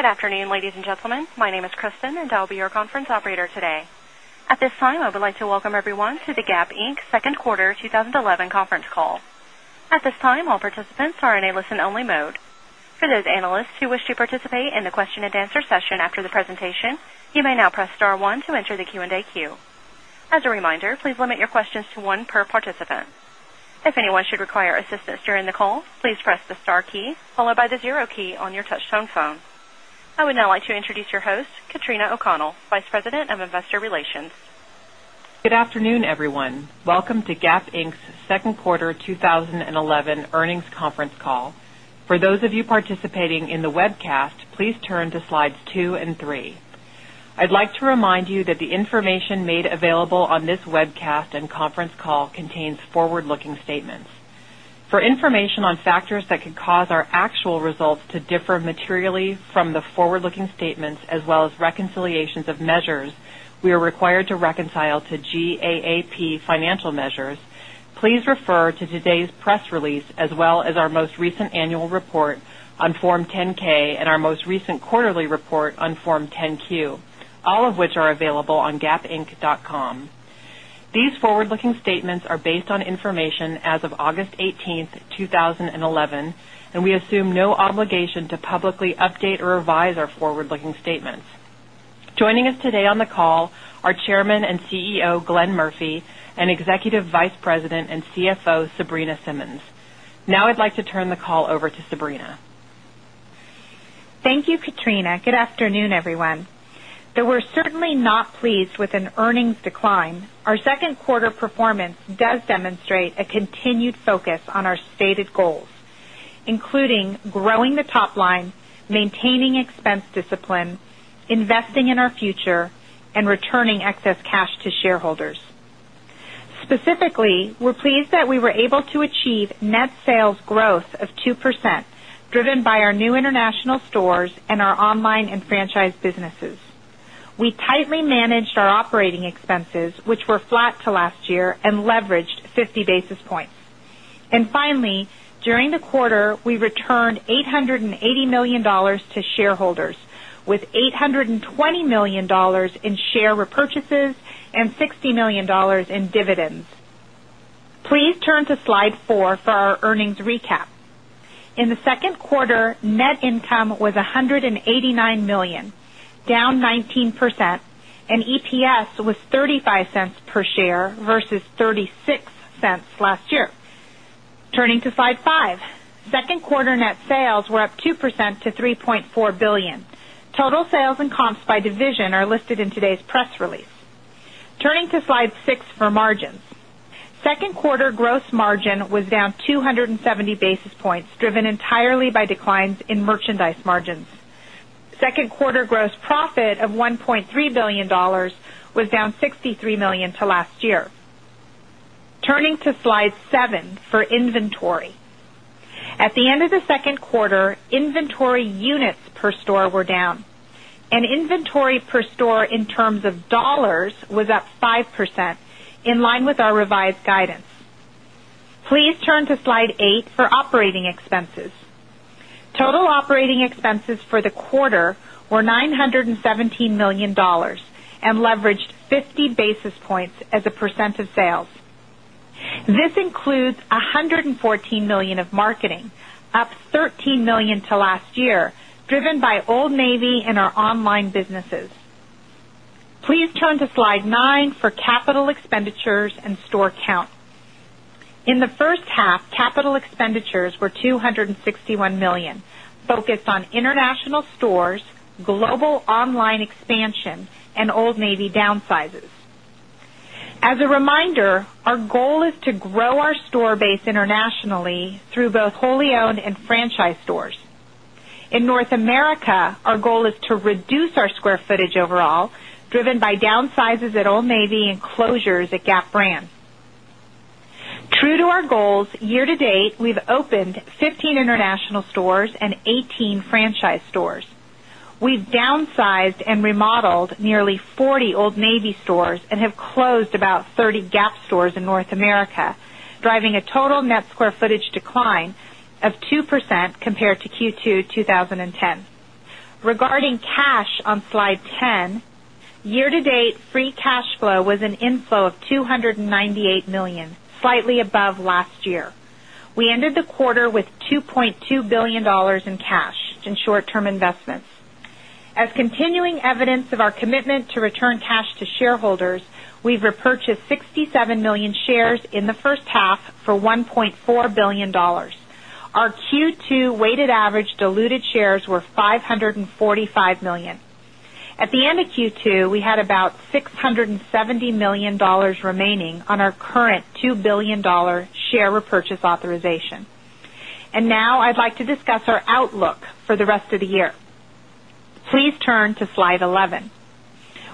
GEod afternoon, ladies and gentlemen. My name is Kristen, and I'll be your conference operator today. At this time, I would like to welcome everyone to Gap Inc.'s Second Quarter 2011 Conference Call. At this time, all participants are in a listen-only mode. For those analysts who wish to participate in the question and answer session after the presentation, you may now press star one to enter the Q&A queue. As a reminder, please limit your questions to one per participant. If anyone should require assistance during the call, please press the star key followed by the zero key on your touch-tone phone. I would now like to introduce your host, Katrina O'Connell, Vice President of Investor Relations. Good afternoon, everyone. Welcome to Gap Inc.'s Second Quarter 2011 Earnings Conference Call. For those of you participating in the webcast, please turn to slides two and three. I'd like to remind you that the information made available on this webcast and conference call contains forward-looking statements. For information on factors that could cause our actual results to differ materially from the forward-looking statements, as well as reconciliations of measures we are required to reconcile to GAAP financial measures, please refer to today's press release, as well as our most recent annual report on Form 10-K and our most recent quarterly report on Form 10-Q, all of which are available on gapinc.com. These forward-looking statements are based on information as of August 18th, 2011, and we assume no obligation to publicly update or revise our forward-looking statements. Joining us today on the call are Chairman and CEO Glenn Murphy and Executive Vice President and CFO Sabrina Simmons. Now I'd like to turn the call over to Sabrina. Thank you, Katrina. Good afternoon, everyone. Though we're certainly not pleased with an earnings decline, our second quarter performance does demonstrate a continued focus on our stated goals, including growing the top line, maintaining expense discipline, investing in our future, and returning excess cash to shareholders. Specifically, we're pleased that we were able to achieve net sales growth of 2%, driven by our new international stores and our online and franchise businesses. We tightly managed our operating expenses, which were flat to last year and leveraged 50 basis points. Finally, during the quarter, we returned $880 million to shareholders, with $820 million in share repurchases and $60 million in dividends. Please turn to slide four for our earnings recap. In the second quarter, net income was $189 million, down 19%, and EPS was $0.35 per share versus $0.36 last year. Turning to slide five, second quarter net sales were up 2% to $3.4 billion. Total sales and comps by division are listed in today's press release. Turning to slide six for margins. Second quarter gross margin was down 270 basis points, driven entirely by declines in merchandise margins. Second quarter gross profit of $1.3 billion was down $63 million to last year. Turning to slide seven for inventory. At the end of the second quarter, inventory units per store were down, and inventory per store in terms of dollars was up 5%, in line with our revised guidance. Please turn to slide eight for operating expenses. Total operating expenses for the quarter were $917 million and leveraged 50 basis points as a percent of sales. This includes $114 million of marketing, up $13 million to last year, driven by Old Navy and our online businesses. Please turn to slide nine for capital expenditures and store count. In the first half, capital expenditures were $261 million, focused on international stores, global online expansion, and Old Navy downsizes. As a reminder, our goal is to grow our store base internationally through both wholly owned and franchise stores. In North America, our goal is to reduce our square footage overall, driven by downsizes at Old Navy and closures at Gap brand. True to our goals, year to date, we've opened 15 international stores and 18 franchise stores. We've downsized and remodeled nearly 40 Old Navy stores and have closed about 30 Gap stores in North America, driving a total net square footage decline of 2% compared to Q2 2010. Regarding cash on slide 10, year to date, free cash flow was an inflow of $298 million, slightly above last year. We ended the quarter with $2.2 billion in cash and short-term investments. As continuing evidence of our commitment to return cash to shareholders, we've repurchased 67 million shares in the first half for $1.4 billion. Our Q2 weighted average diluted shares were 545 million. At the end of Q2, we had about $670 million remaining on our current $2 billion share repurchase authorization. Now I'd like to discuss our outlook for the rest of the year. Please turn to slide 11.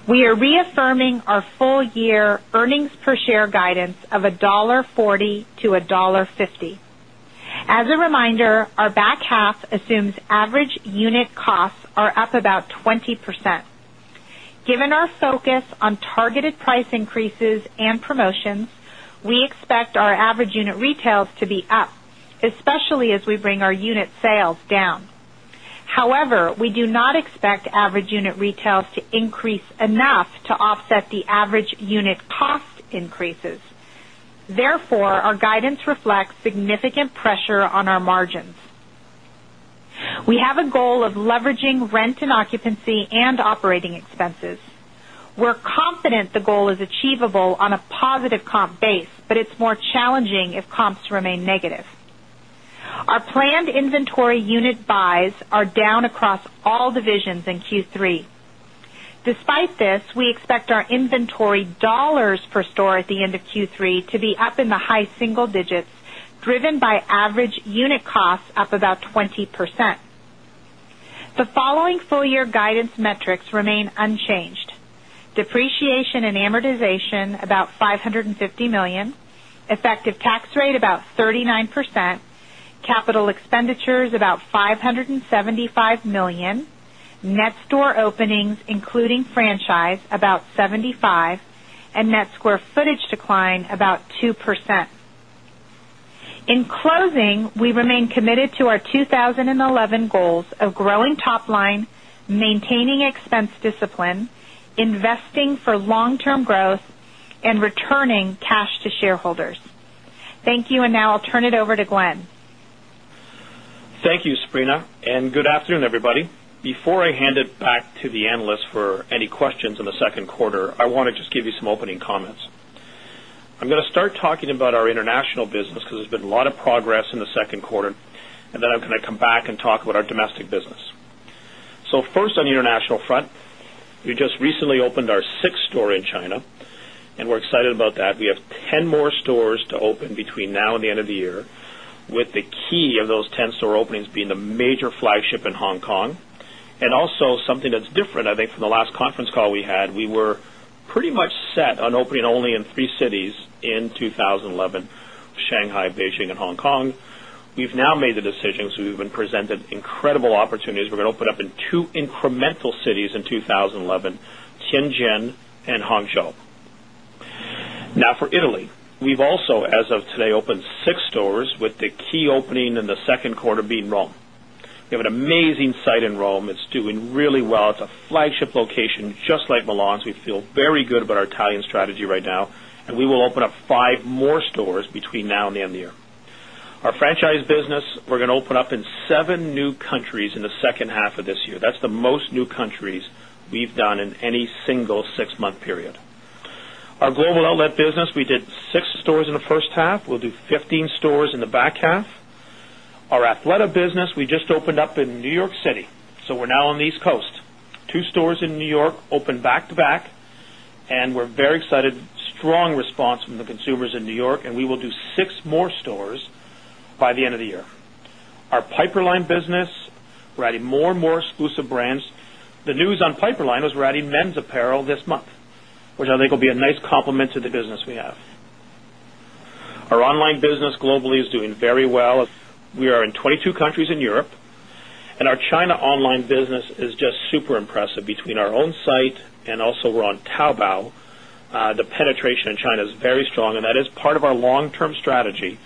We are reaffirming our full-year earnings per share guidance of $1.40-$1.50. As a reminder, our back half assumes average unit costs are up about 20%. Given our focus on targeted price increases and promotions, we expect our average unit retails to be up, especially as we bring our unit sales down. However, we do not expect average unit retails to increase enough to offset the average unit cost increases. Therefore, our guidance reflects significant pressure on our margins. We have a goal of leveraging rent and occupancy and operating expenses. We're confident the goal is achievable on a positive comp base, but it's more challenging if comps remain negative. Our planned inventory unit buys are down across all divisions in Q3. Despite this, we expect our inventory dollars per store at the end of Q3 to be up in the high single digits, driven by average unit costs up about 20%. The following full-year guidance metrics remain unchanged: depreciation and amortization about $550 million, effective tax rate about 39%, capital expenditures about $575 million, net store openings, including franchise, about 75, and net square footage decline about 2%. In closing, we remain committed to our 2011 goals of growing top line, maintaining expense discipline, investing for long-term growth, and returning cash to shareholders. Thank you, now I'll turn it over to Glenn. Thank you, Sabrina, and good afternoon, everybody. Before I hand it back to the analysts for any questions on the second quarter, I want to just give you some opening comments. I'm going to start talking about our international business because there's been a lot of progress in the second quarter, and then I'm going to come back and talk about our domestic business. First, on the international front, we just recently opened our sixth store in China, and we're excited about that. We have 10 more stores to open between now and the end of the year, with the key of those 10 store openings being the major flagship in Hong Kong. Also, something that's different, I think, from the last conference call we had, we were pretty much set on opening only in three cities in 2011: Shanghai, Beijing, and Hong Kong. We've now made the decision, as we've been presented incredible opportunities, we're going to open up in two incremental cities in 2011: Tianjin and Hangzhou. Now, for Italy, we've also, as of today, opened six stores, with the key opening in the second quarter being Rome. We have an amazing site in Rome. It's doing really well. It's a flagship location, just like Milan's. We feel very good about our Italian strategy right now, and we will open up five more stores between now and the end of the year. Our franchise business, we're going to open up in seven new countries in the second half of this year. That's the most new countries we've done in any single six-month period. Our global outlet business, we did six stores in the first half. We'll do 15 stores in the back half. Our Athleta business, we just opened up in New York City, so we're now on the East Coast. Two stores in New York open back to back, and we're very excited. Strong response from the consumers in New York, and we will do six more stores by the end of the year. Our Piperlime business, we're adding more and more exclusive brands. The news on Piperlime was we're adding men's apparel this month, which I think will be a nice complement to the business we have. Our online business globally is doing very well. We are in 22 countries in Europe, and our China online business is just super impressive between our own site and also we're on Taobao. The penetration in China is very strong, and that is part of our long-term strategy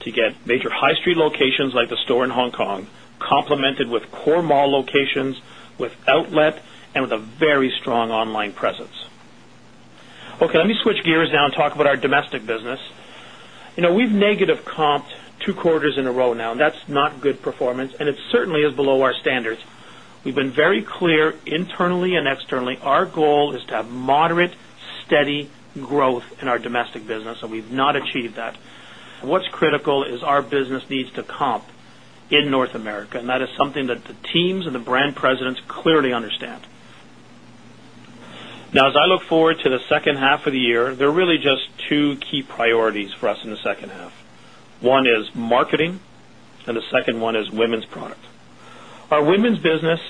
to get major high-street locations like the store in Hong Kong complemented with core mall locations, with outlet, and with a very strong online presence. Okay, let me switch gears now and talk about our domestic business. We've negative comped two quarters in a row now, and that's not good performance, and it certainly is below our standards. We've been very clear internally and externally. Our goal is to have moderate, steady growth in our domestic business, and we've not achieved that. What's critical is our business needs to comp in North America, and that is something that the teams and the brand presidents clearly understand. As I look forward to the second half of the year, there are really just two key priorities for us in the second half. One is marketing, and the second one is women's product. Our women's business,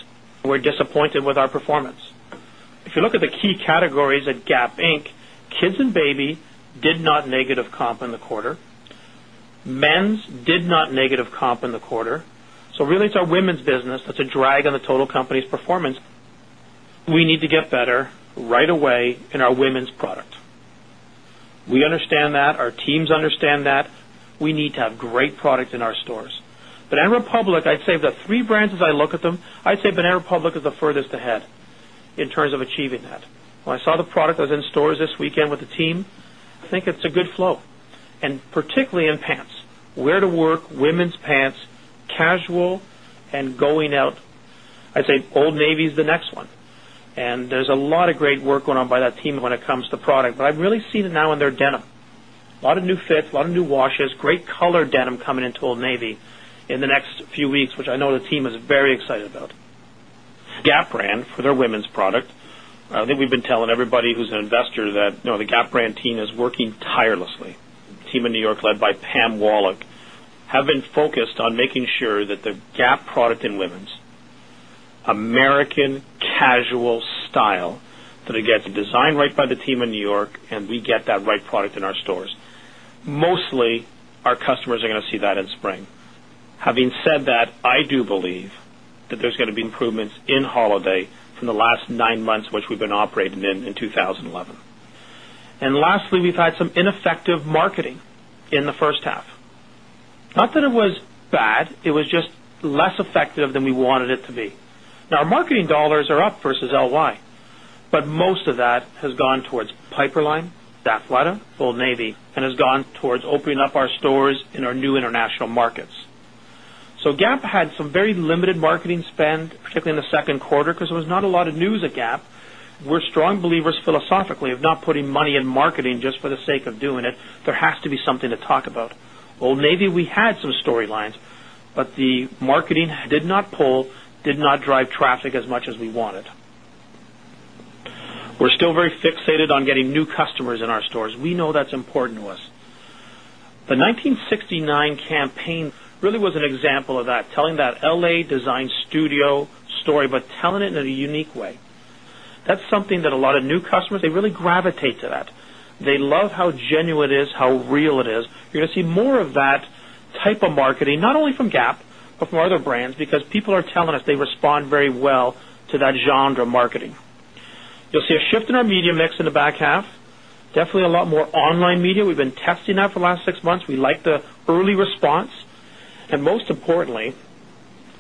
we're disappointed with our performance. If you look at the key categories at Gap Inc., kids and baby did not negative comp in the quarter. Men's did not negative comp in the quarter. It's our women's business that's a drag on the total company's performance. We need to get better right away in our women's product. We understand that. Our teams understand that. We need to have great product in our stores. Banana Republic, I'd say of the three brands I look at them, I'd say Banana Republic is the furthest ahead in terms of achieving that. When I saw the product that was in stores this weekend with the team, I think it's a good flow, and particularly in pants. Where to work, women's pants, casual, and going out, I'd say Old Navy is the next one. There's a lot of great work going on by that team when it comes to product, but I really see it now in their denim. A lot of new fits, a lot of new washes, great color denim coming into Old Navy in the next few weeks, which I know the team is very excited about. Gap brand, for their women's product, I think we've been telling everybody who's an investor that the Gap brand team is working tirelessly. Team in New York, led by Pam Wallick, have been focused on making sure that the Gap product in women's American casual style that gets designed right by the team in New York, and we get that right product in our stores. Mostly, our customers are going to see that in spring. Ha.ving said that, I do believe that there's going to be improvements in holiday from the last nine months in which we've been operating in 2011. Lastly, we've had some ineffective marketing in the first half. Not that it was bad, it was just less effective than we wanted it to be. Now, our marketing dollars are up versus last year, but most of that has gone towards Piperlime, Athleta, Old Navy, and has gone towards opening up our stores in our new international markets. Gap had some very limited marketing spend, particularly in the second quarter, because there was not a lot of news at Gap. We're strong believers philosophically of not putting money in marketing just for the sake of doing it. There has to be something to talk about. Old Navy, we had some storylines, but the marketing did not pull, did not drive traffic as much as we wanted. We're still very fixated on getting new customers in our stores. We know that's important to us. The 1969r campaign really was an example of that, telling that L.A. Design Studio story, but telling it in a unique way. That's something that a lot of new customers, they really gravitate to that. They love how genuine it is, how real it is. You're going to see more of that type of marketing, not only from Gap, but from other brands, because people are telling us they respond very well to that genre marketing. You'll see a shift in our media mix in the back half. Definitely a lot more online media. We've been testing that for the last six months. We like the early response. Most importantly,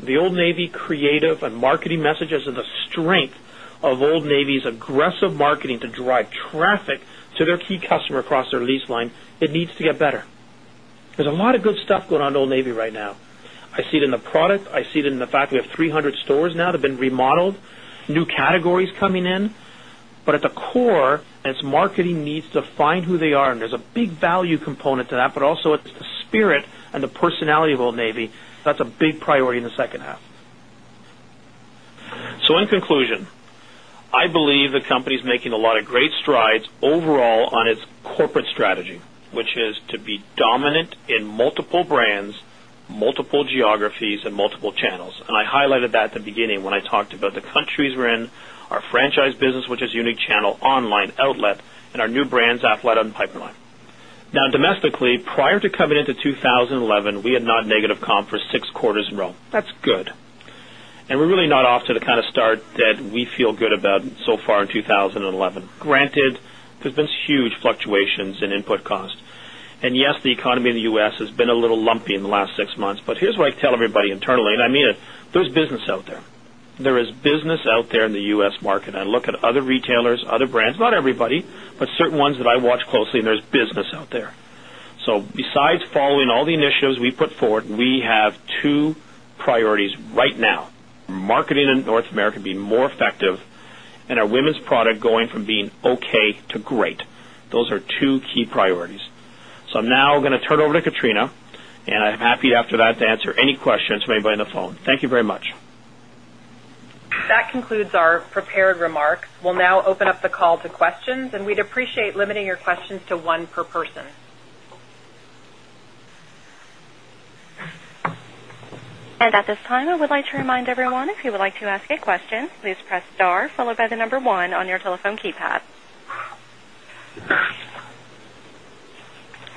the Old Navy creative and marketing messages and the strength of Old Navy's aggressive marketing to drive traffic to their key customer across their lease line. It needs to get better. There's a lot of good stuff going on in Old Navy right now. I see it in the product. I see it in the fact we have 300 stores now that have been remodeled, new categories coming in. At the core, its marketing needs to find who they are, and there's a big value component to that, but also it's the spirit and the personality of Old Navy. That's a big priority in the second half. In conclusion, I believe the company is making a lot of great strides overall on its corporate strategy, which is to be dominant in multiple brands, multiple geographies, and multiple channels. I highlighted that at the beginning when I talked about the countries we're in, our franchise business, which is a unique channel, online, outlet, and our new brands, Athleta and Piperlime. Domestically, prior to coming into 2011, we had not negative comped for six quarters in a row. That's good. We're really not off to the kind of start that we feel good about so far in 2011. Granted, there's been huge fluctuations in input cost. Yes, the economy in the U.S. has been a little lumpy in the last six months, but here's what I tell everybody internally, and I mean it. There's business out there. There is business out there in the U.S. market. I look at other retailers, other brands, not everybody, but certain ones that I watch closely, and there's business out there. Besides following all the initiatives we put forward, we have two priorities right now: marketing in North America being more effective and our women's product going from being okay to great. Those are two key priorities. I'm now going to turn over to Katrina, and I'm happy after that to answer any questions from anybody on the phone. Thank you very much. That concludes our prepared remarks. We'll now open up the call to questions, and we'd appreciate limiting your questions to one per person. At this time, I would like to remind everyone, if you would like to ask a question, please press star followed by the number one on your telephone keypad.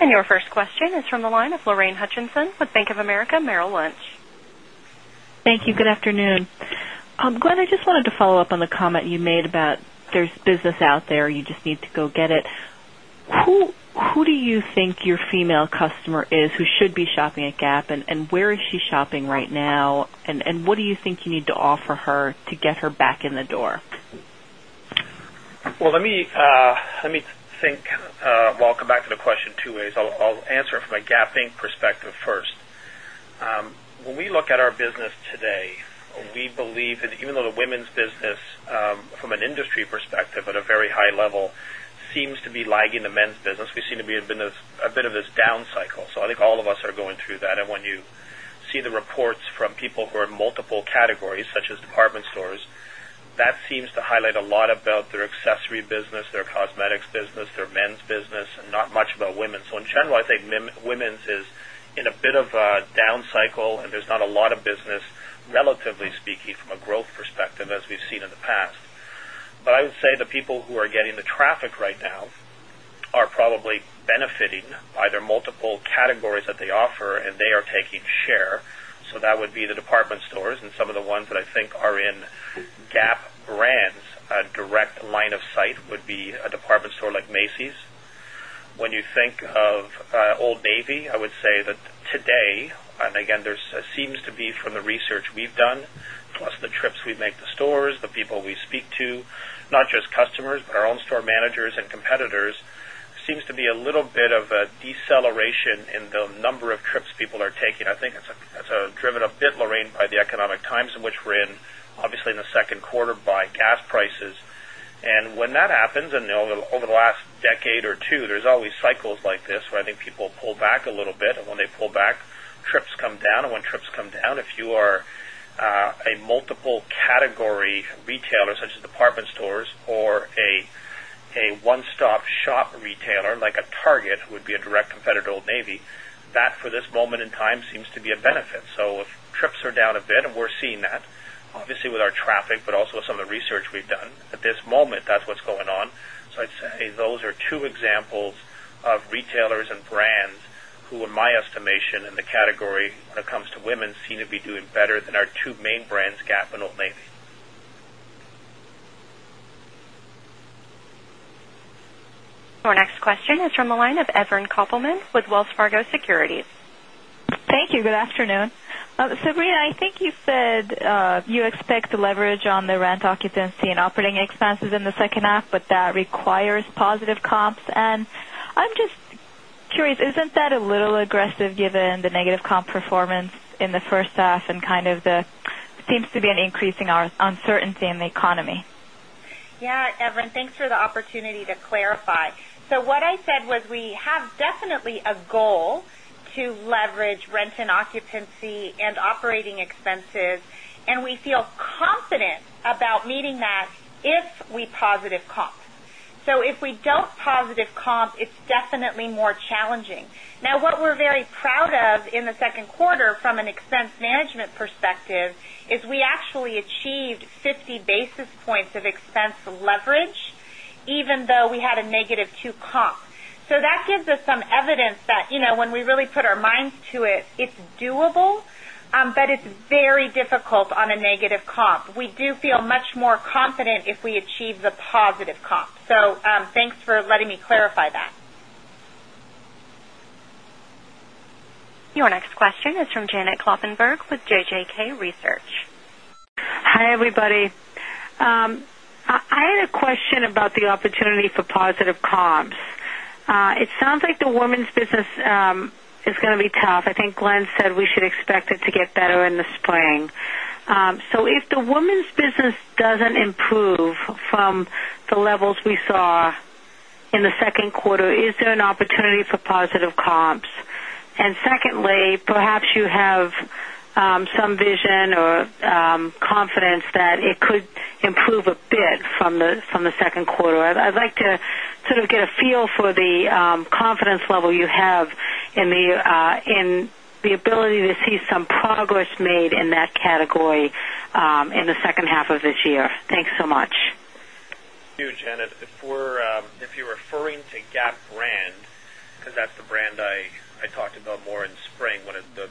Your first question is from the line of Lorraine Hutchinson with Bank of America Merrill Lynch. Thank you. Good afternoon. Glenn, I just wanted to follow up on the comment you made about there's business out there. You just need to go get it. Who do you think your female customer is who should be shopping at Gap, and where is she shopping right now, and what do you think you need to offer her to get her back in the door? Let me think. I'll come back to the question two ways. I'll answer it from a Gap Inc. perspective first. When we look at our business today, we believe that even though the women's business, from an industry perspective at a very high level, seems to be lagging the men's business, we seem to be in a bit of this down cycle. I think all of us are going through that. When you see the reports from people who are in multiple categories, such as department stores, that seems to highlight a lot about their accessory business, their cosmetics business, their men's business, and not much about women. In general, I think women's is in a bit of a down cycle, and there's not a lot of business, relatively speaking, from a growth perspective, as we've seen in the past. I would say the people who are getting the traffic right now are probably benefiting by their multiple categories that they offer, and they are taking share. That would be the department stores, and some of the ones that I think are in Gap brand's direct line of sight would be a department store like Macy's. When you think of Old Navy, I would say that today, and again, there seems to be from the research we've done, plus the trips we make to stores, the people we speak to, not just customers, but our own store managers and competitors, seems to be a little bit of a deceleration in the number of trips people are taking. I think that's driven a bit, Lorraine, by the economic times in which we're in, obviously in the second quarter by gas prices. When that happens, and over the last decade or two, there's always cycles like this where I think people pull back a little bit, and when they pull back, trips come down. When trips come down, if you are a multiple category retailer, such as department stores or a one-stop shop retailer like a Target, who would be a direct competitor to Old Navy, that for this moment in time seems to be a benefit. If trips are down a bit, and we're seeing that, obviously with our traffic, but also with some of the research we've done at this moment, that's what's going on. I'd say those are two examples of retailers and brands who, in my estimation, in the category when it comes to women's, seem to be doing better than our two main brands, Gap and Old Navy. Our next question is from the line of Evren Kopelman with Wells Fargo Securities. Thank you. Good afternoon. Sabrina, I think you said you expect to leverage on the rent, occupancy, and operating expenses in the second half, but that requires positive comps. I'm just curious, isn't that a little aggressive given the negative comp performance in the first half and kind of the seems to be an increase in our uncertainty in the economy? Yeah, Evran, thanks for the opportunity to clarify. What I said was we have definitely a goal to leverage rent and occupancy and operating expenses, and we feel confident about meeting that if we positive comp. If we don't positive comp, it's definitely more challenging. What we're very proud of in the second quarter from an expense management perspective is we actually achieved 50 basis points of expense leverage, even though we had a -2% comp. That gives us some evidence that, you know, when we really put our minds to it, it's doable, but it's very difficult on a negative comp. We do feel much more confident if we achieve the positive comp. Thanks for letting me clarify that. Your next question is from Janet Kloppenburg with JJK Research. Hi, everybody. I had a question about the opportunity for positive comps. It sounds like the women's business is going to be tough. I think Glenn said we should expect it to get better in the spring. If the women's business doesn't improve from the levels we saw in the second quarter, is there an opportunity for positive comps? Secondly, perhaps you have some vision or confidence that it could improve a bit from the second quarter. I'd like to sort of get a feel for the confidence level you have in the ability to see some progress made in that category in the second half of this year. Thanks so much. Thank you, Janet. If you're referring to Gap brand, because that's the brand I talked about more in spring, when it's the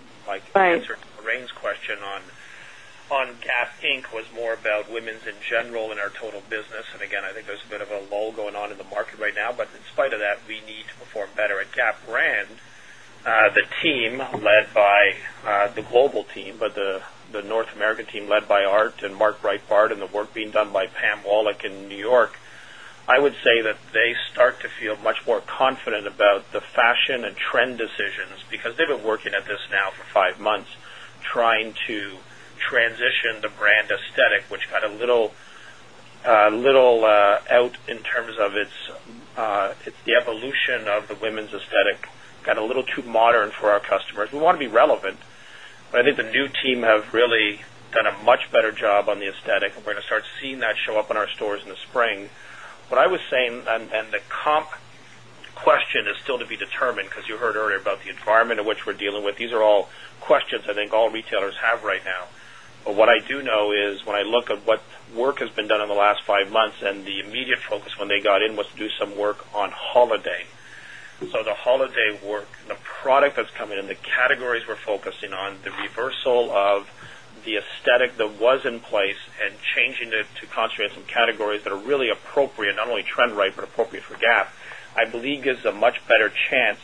sort of Lorraine's question on Gap Inc. was more about women's in general in our total business. I think there's a bit of a lull going on in the market right now, but in spite of that, we need to perform better at Gap brand. The team led by the global team, but the North American team led by Art and Mark Breitbart and the work being done by Pam Wallick in New York, I would say that they start to feel much more confident about the fashion and trend decisions because they've been working at this now for five months, trying to transition the brand aesthetic, which got a little out in terms of its evolution of the women's aesthetic, got a little too modern for our customers. We want to be relevant. I think the new team has really done a much better job on the aesthetic, and we're going to start seeing that show up in our stores in the spring. What I was saying, and the comp question is still to be determined because you heard earlier about the environment in which we're dealing with. These are all questions I think all retailers have right now. What I do know is when I look at what work has been done in the last five months, and the immediate focus when they got in was to do some work on holiday. The holiday work and the product that's coming in, the categories we're focusing on, the reversal of the aesthetic that was in place and changing it to concentrate on some categories that are really appropriate, not only trend right, but appropriate for Gap, I believe gives a much better chance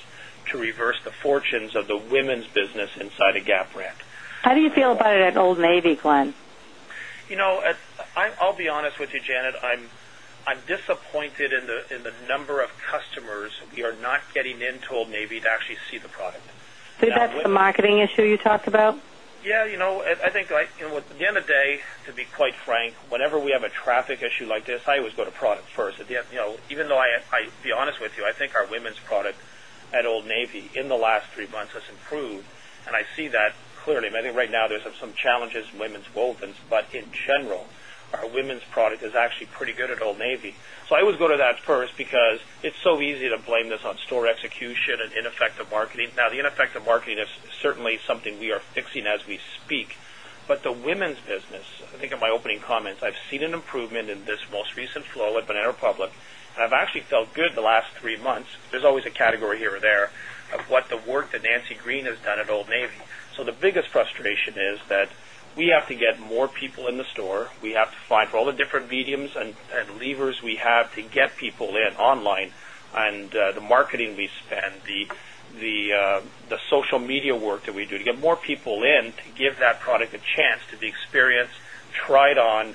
to reverse the fortunes of the women's business inside Gap brand. How do you feel about it at Old Navy, Glenn? I'll be honest with you, Janet. I'm disappointed in the number of customers who are not getting into Old Navy to actually see the product. That's the marketing issue you talked about? Yeah, you know, I think at the end of the day, to be quite frank, whenever we have a traffic issue like this, I always go to product first. Even though I have to be honest with you, I think our women's product at Old Navy in the last three months has improved, and I see that clearly. I think right now there's some challenges in women's wovens, but in general, our women's product is actually pretty good at Old Navy. I always go to that first because it's so easy to blame this on store execution and ineffective marketing. The ineffective marketing is certainly something we are fixing as we speak. The women's business, I think in my opening comments, I've seen an improvement in this most recent flow at Banana Republic, and I've actually felt good the last three months. There's always a category here or there of what the work that Nancy Green has done at Old Navy. The biggest frustration is that we have to get more people in the store. We have to find for all the different mediums and levers we have to get people in online, and the marketing we spend, the social media work that we do to get more people in to give that product a chance to be experienced, tried on,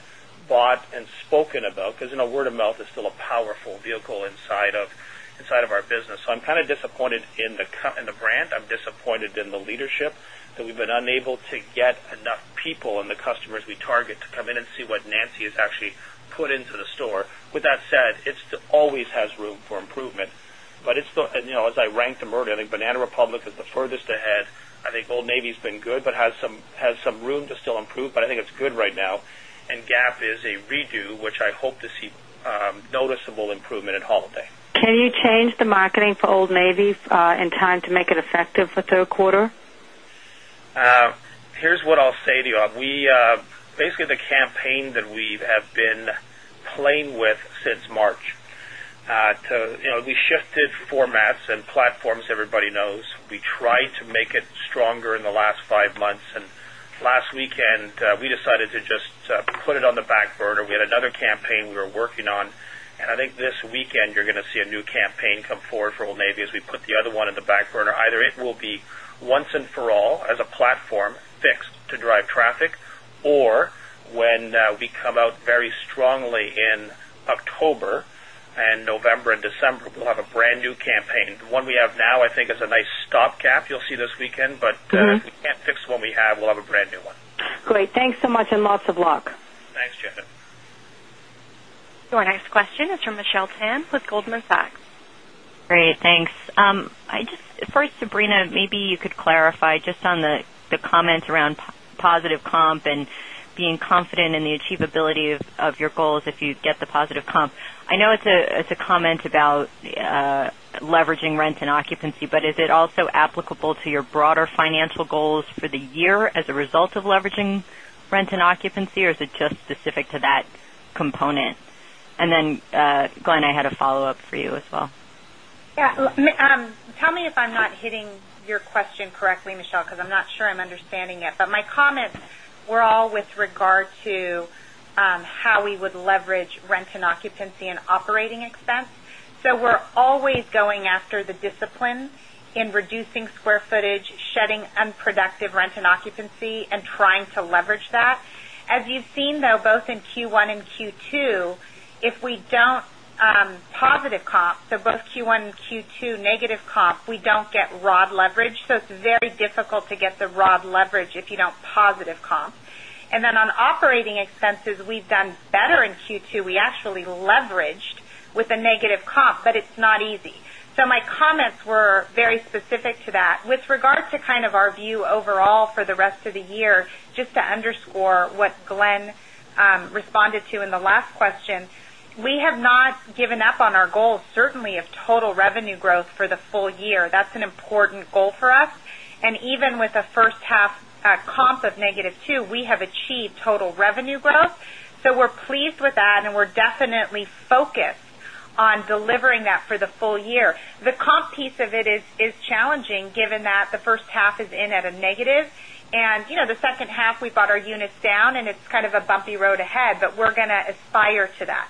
bought, and spoken about because you know word of mouth is still a powerful vehicle inside of our business. I'm kind of disappointed in the brand. I'm disappointed in the leadership that we've been unable to get enough people and the customers we target to come in and see what Nancy has actually put into the store. With that said, it always has room for improvement. It's still, you know, as I ranked them earlier, I think Banana Republic is the furthest ahead. I think Old Navy has been good, but has some room to still improve, but I think it's good right now. Gap is a redo, which I hope to see noticeable improvement in holiday. Can you change the marketing for Old Navy in time to make it effective for third quarter? Here's what I'll say to you. Basically, the campaign that we have been playing with since March, we shifted formats and platforms everybody knows. We tried to make it stronger in the last five months, and last weekend, we decided to just put it on the back burner. We had another campaign we were working on, and I think this weekend you're going to see a new campaign come forward for Old Navy as we put the other one on the back burner. Either it will be once and for all as a platform fixed to drive traffic, or when we come out very strongly in October and November and December, we'll have a brand new campaign. The one we have now, I think, is a nice stopgap you'll see this weekend, but we can't fix the one we have. We'll have a brand new one. Great, thanks so much and lots of luck. Thanks, Janet. Your next question is from Michelle Tan with Goldman Sachs. Great, thanks. First, Sabrina, maybe you could clarify just on the comment around positive comp and being confident in the achievability of your goals if you get the positive comp. I know it's a comment about leveraging rent and occupancy, but is it also applicable to your broader financial goals for the year as a result of leveraging rent and occupancy, or is it just specific to that component? Glenn, I had a follow-up for you as well. Yeah, tell me if I'm not hitting your question correctly, Michelle, because I'm not sure I'm understanding it. My comments were all with regard to how we would leverage rent and occupancy and operating expense. We're always going after the discipline in reducing square footage, shedding unproductive rent and occupancy, and trying to leverage that. As you've seen, though, both in Q1 and Q2, if we don't positive comp, both Q1 and Q2 negative comp, we don't get raw leverage. It's very difficult to get the raw leverage if you don't positive comp. On operating expenses, we've done better in Q2. We actually leveraged with a negative comp, but it's not easy. My comments were very specific to that. With regard to our view overall for the rest of the year, just to underscore what Glenn responded to in the last question, we have not given up on our goals, certainly of total revenue growth for the full year. That's an important goal for us. Even with a first half comp of -2%, we have achieved total revenue growth. We're pleased with that, and we're definitely focused on delivering that for the full year. The comp piece of it is challenging given that the first half is in at a negative, and you know the second half we've got our units down, and it's kind of a bumpy road ahead, but we're going to aspire to that.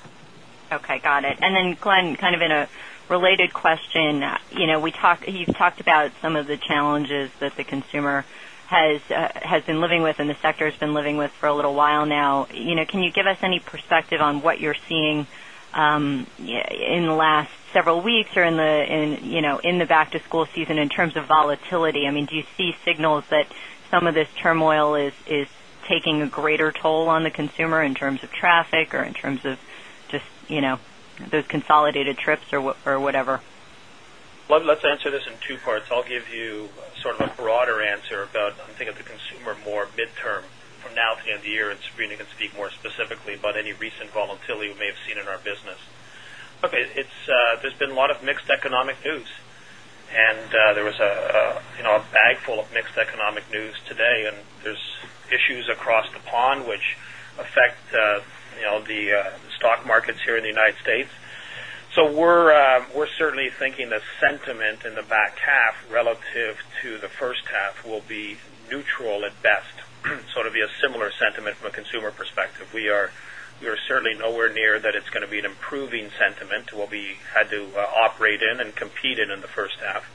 Okay, got it. Glenn, in a related question, you've talked about some of the challenges that the consumer has been living with and the sector has been living with for a little while now. Can you give us any perspective on what you're seeing in the last several weeks or in the back-to-school season in terms of volatility? Do you see signals that some of this turmoil is taking a greater toll on the consumer in terms of traffic or in terms of just those consolidated trips or whatever? Let's answer this in two parts. I'll give you sort of a broader answer about, I think, of the consumer more midterm. From now to the end of the year, Sabrina can speak more specifically about any recent volatility we may have seen in our business. There's been a lot of mixed economic news, and there was a bag full of mixed economic news today, and there are issues across the pond which affect the stock markets here in the U.S. We're certainly thinking the sentiment in the back half relative to the first half will be neutral at best. It's going to be a similar sentiment from a consumer perspective. We are certainly nowhere near that it's going to be an improving sentiment to what we had to operate in and compete in in the first half.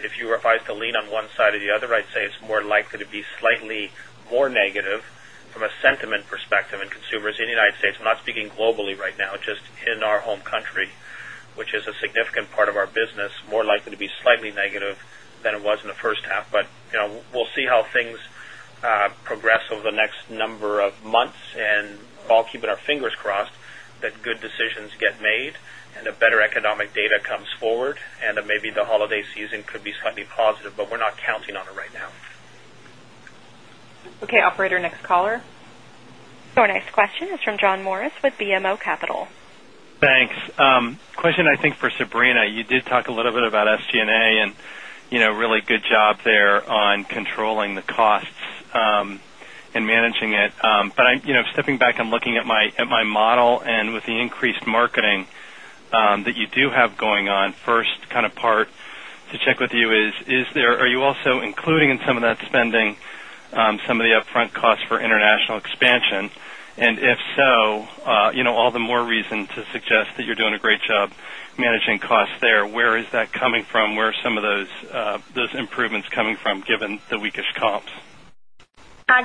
If you were advised to lean on one side or the other, I'd say it's more likely to be slightly more negative from a sentiment perspective in consumers in the U.S. I'm not speaking globally right now, just in our home country, which is a significant part of our business, more likely to be slightly negative than it was in the first half. We'll see how things progress over the next number of months, and I'll keep our fingers crossed that good decisions get made and the better economic data comes forward, and maybe the holiday season could be slightly positive, but we're not counting on it right now. Okay, operator, next caller. Our next question is from John Morris with BMO Capital. Thanks. Question, I think, for Sabrina. You did talk a little bit about SG&A, and you know really good job there on controlling the costs and managing it. I'm stepping back and looking at my model, and with the increased marketing that you do have going on, first kind of part to check with you is, are you also including in some of that spending some of the upfront costs for international expansion? If so, all the more reason to suggest that you're doing a great job managing costs there. Where is that coming from? Where are some of those improvements coming from given the weakish comps?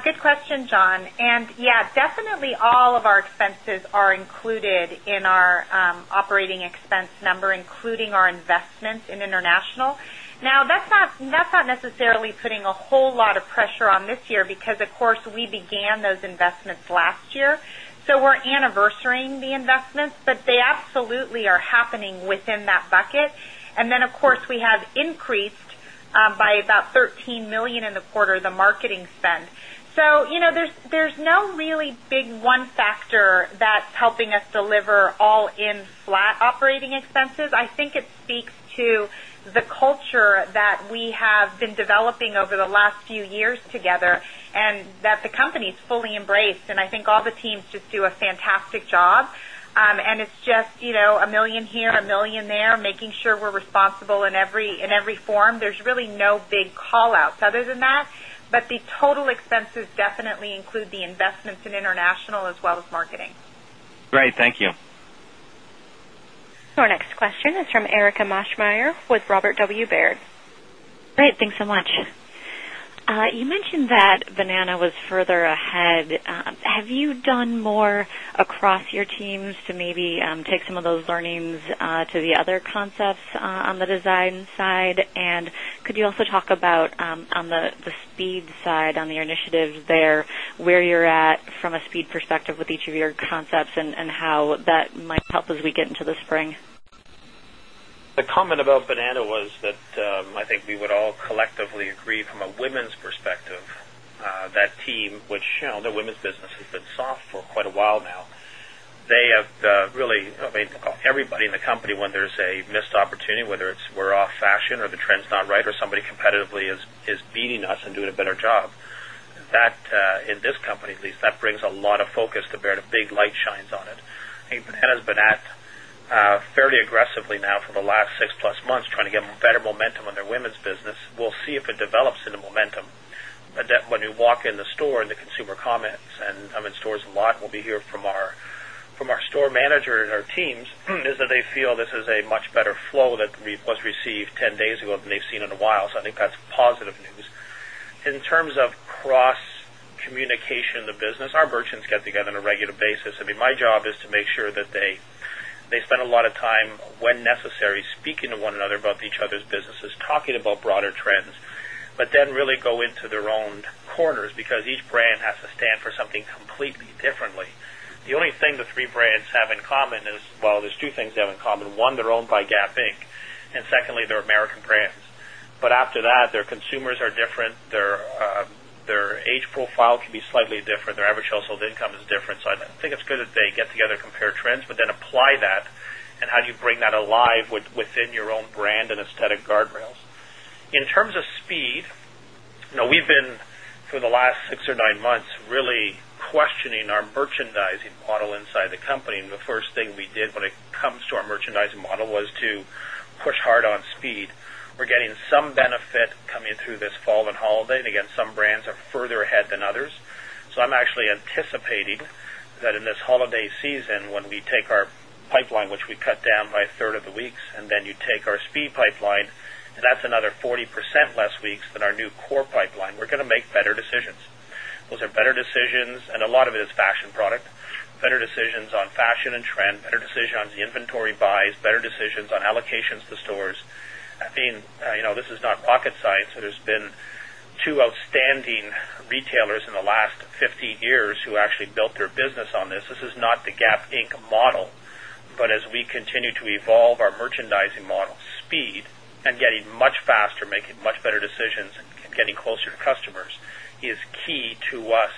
Good question, John. Yeah, definitely all of our expenses are included in our operating expense number, including our investments in international. Now, that's not necessarily putting a whole lot of pressure on this year because, of course, we began those investments last year. We're anniversarying the investments, but they absolutely are happening within that bucket. We have increased by about $13 million in the quarter of the marketing spend. There's no really big one factor that's helping us deliver all-in flat operating expenses. I think it speaks to the culture that we have been developing over the last few years together and that the company's fully embraced. I think all the teams just do a fantastic job. It's just, you know, $1 million here, $1 million there, making sure we're responsible in every form. There's really no big callouts other than that. The total expenses definitely include the investments in international as well as marketing. Great, thank you. Our next question is from Erika Maschmeyer with Robert W. Baird. Great, thanks so much. You mentioned that Banana Republic was further ahead. Have you done more across your teams to maybe take some of those learnings to the other concepts on the design side? Could you also talk about, on the speed side, on the initiatives there, where you're at from a speed perspective with each of your concepts and how that might help as we get into the spring? The comment about Banana Republic was that I think we would all collectively agree from a women's perspective that team, which you know their women's business has been soft for quite a while now, they have really, I mean, everybody in the company, when there's a missed opportunity, whether it's we're off fashion or the trend's not right or somebody competitively is beating us and doing a better job, that in this company, at least, that brings a lot of focus to bear. The big light shines on it. It has been at fairly aggressively now for the last six plus months trying to get better momentum on their women's business. We'll see if it develops into momentum. When we walk in the store and the consumer comments, and I'm in stores a lot, we'll be hearing from our store manager and our teams, is that they feel this is a much better flow that was received 10 days ago than they've seen in a while. I think that's positive news. In terms of cross-communication in the business, our merchants get together on a regular basis. My job is to make sure that they spend a lot of time, when necessary, speaking to one another about each other's businesses, talking about broader trends, but then really go into their own corners because each brand has to stand for something completely differently. The only thing the three brands have in common is, well, there are two things they have in common. One, they're owned by Gap Inc. Secondly, they're American brands. After that, their consumers are different. Their age profile can be slightly different. Their average household income is different. I think it's good if they get together and compare trends, but then apply that. How do you bring that alive within your own brand and aesthetic guardrails? In terms of speed, you know we've been, for the last six or nine months, really questioning our merchandising model inside the company. The first thing we did when it comes to our merchandising model was to push hard on speed. We're getting some benefit coming through this fall and holiday. Some brands are further ahead than others. I'm actually anticipating that in this holiday season, when we take our pipeline, which we cut down by a third of the weeks, and then you take our speed pipeline, that's another 40% less weeks than our new core pipeline. We're going to make better decisions. Those are better decisions, and a lot of it is fashion product. Better decisions on fashion and trend, better decisions on the inventory buys, better decisions on allocations to stores. This is not rocket science. There have been two outstanding retailers in the last 15 years who actually built their business on this. This is not the Gap Inc. model. As we continue to evolve our merchandising model, speed and getting much faster, making much better decisions, getting closer to customers is key to us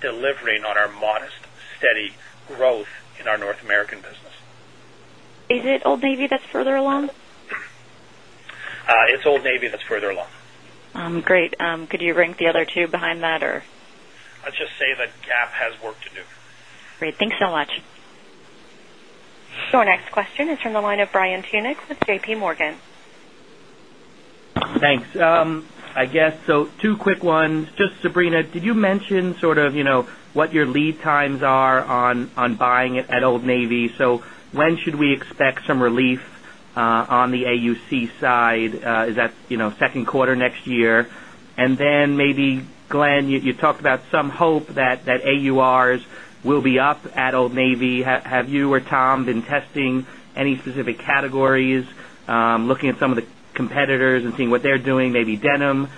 delivering on our modest, steady growth in our North American business. Is it Old Navy that's further along? It's Old Navy that's further along. Great. Could you rank the other two behind that? Let's just say that Gap Inc. has work to do. Great, thanks so much. Our next question is from the line of Brian Tunick with JPMorgan. Thanks. I guess, two quick ones. Sabrina, did you mention what your lead times are on buying at Old Navy? When should we expect some relief on the AUC side? Is that second quarter next year? Glenn, you talked about some hope that AURs will be up at Old Navy. Have you or Tom been testing any specific categories, looking at some of the competitors and seeing what they're doing, maybe denim?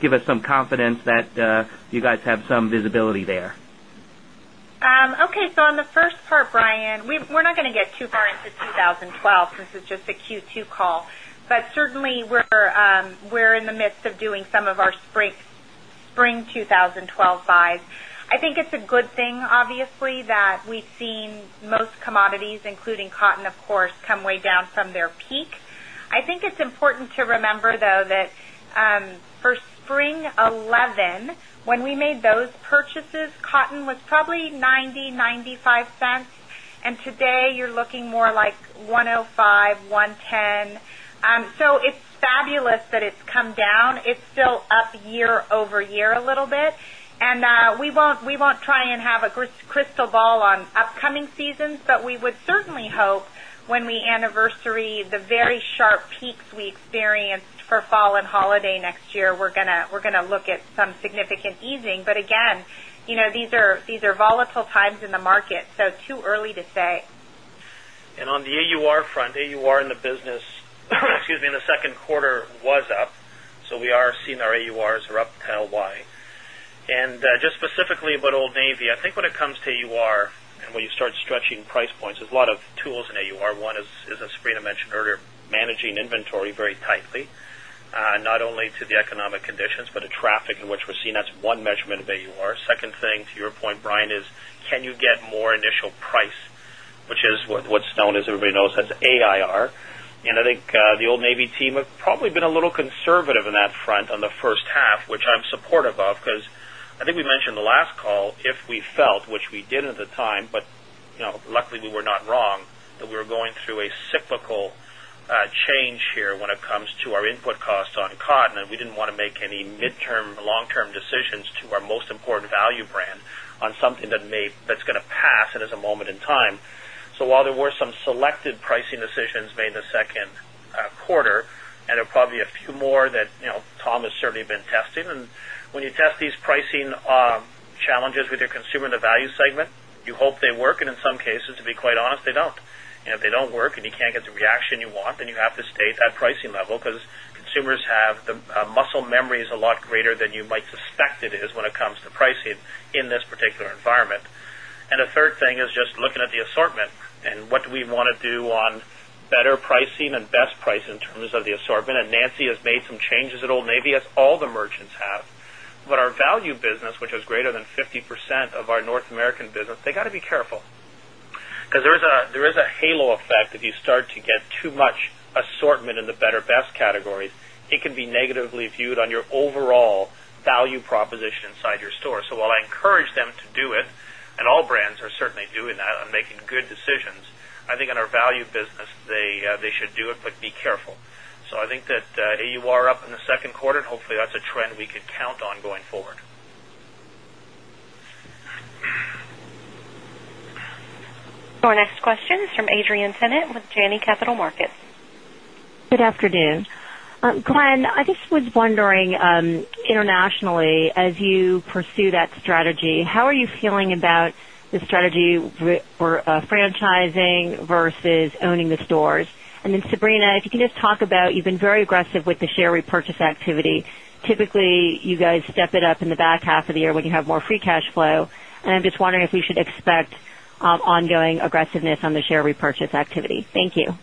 Give us some confidence that you guys have some visibility there. Okay, on the first part, Brian, we're not going to get too far into 2012. This is just a Q2 call. Certainly, we're in the midst of doing some of our spring 2012 buys. I think it's a good thing, obviously, that we've seen most commodities, including cotton, of course, come way down from their peak. I think it's important to remember, though, that for spring 2011, when we made those purchases, cotton was probably $0.90-$0.95. Today, you're looking more like $1.05-$1.10. It's fabulous that it's come down. It's still up year over year a little bit. We won't try and have a crystal ball on upcoming seasons, but we would certainly hope when we anniversary the very sharp peaks we experienced for fall and holiday next year, we're going to look at some significant easing. These are volatile times in the market. It's too early to say. On the AUR front, AUR in the business, excuse me, in the second quarter was up. We are seeing our AURs are up to LY. Just specifically about Old Navy, I think when it comes to AUR and when you start stretching price points, there are a lot of tools in AUR. One is, as Sabrina mentioned earlier, managing inventory very tightly, not only to the economic conditions, but the traffic in which we're seeing. That's one measurement of AUR. The second thing, to your point, Brian, is can you get more initial price, which is what's known as, everybody knows as AUR? I think the Old Navy team have probably been a little conservative in that front on the first half, which I'm supportive of because I think we mentioned in the last call if we felt, which we did at the time, but luckily we were not wrong, that we were going through a cyclical change here when it comes to our input costs on cotton. We didn't want to make any midterm or long-term decisions to our most important value brand on something that's going to pass and is a moment in time. While there were some selected pricing decisions made in the second quarter, there are probably a few more that Tom has certainly been testing. When you test these pricing challenges with your consumer in the value segment, you hope they work. In some cases, to be quite honest, they don't. If they don't work and you can't get the reaction you want, then you have to stay at that pricing level because consumers have the muscle memory, which is a lot greater than you might suspect it is when it comes to pricing in this particular environment. The third thing is just looking at the assortment and what do we want to do on better pricing and best pricing in terms of the assortment. Nancy has made some changes at Old Navy as all the merchants have. Our value business, which is greater than 50% of our North American business, they got to be careful because there is a halo effect if you start to get too much assortment in the better best categories. It can be negatively viewed on your overall value proposition inside your store. I encourage them to do it, and all brands are certainly doing that and making good decisions. I think on our value business, they should do it, but be careful. I think that AUR up in the second quarter, and hopefully that's a trend we could count on going forward. Our next question is from Adrienne Tennant with Janney Capital Markets. Good afternoon. Glenn, I just was wondering internationally, as you pursue that strategy, how are you feeling about the strategy for franchising versus owning the stores? Sabrina, if you can just talk about, you've been very aggressive with the share repurchase activity. Typically, you guys step it up in the back half of the year when you have more free cash flow. I'm just wondering if we should expect ongoing aggressiveness on the share repurchase activity. Thank you.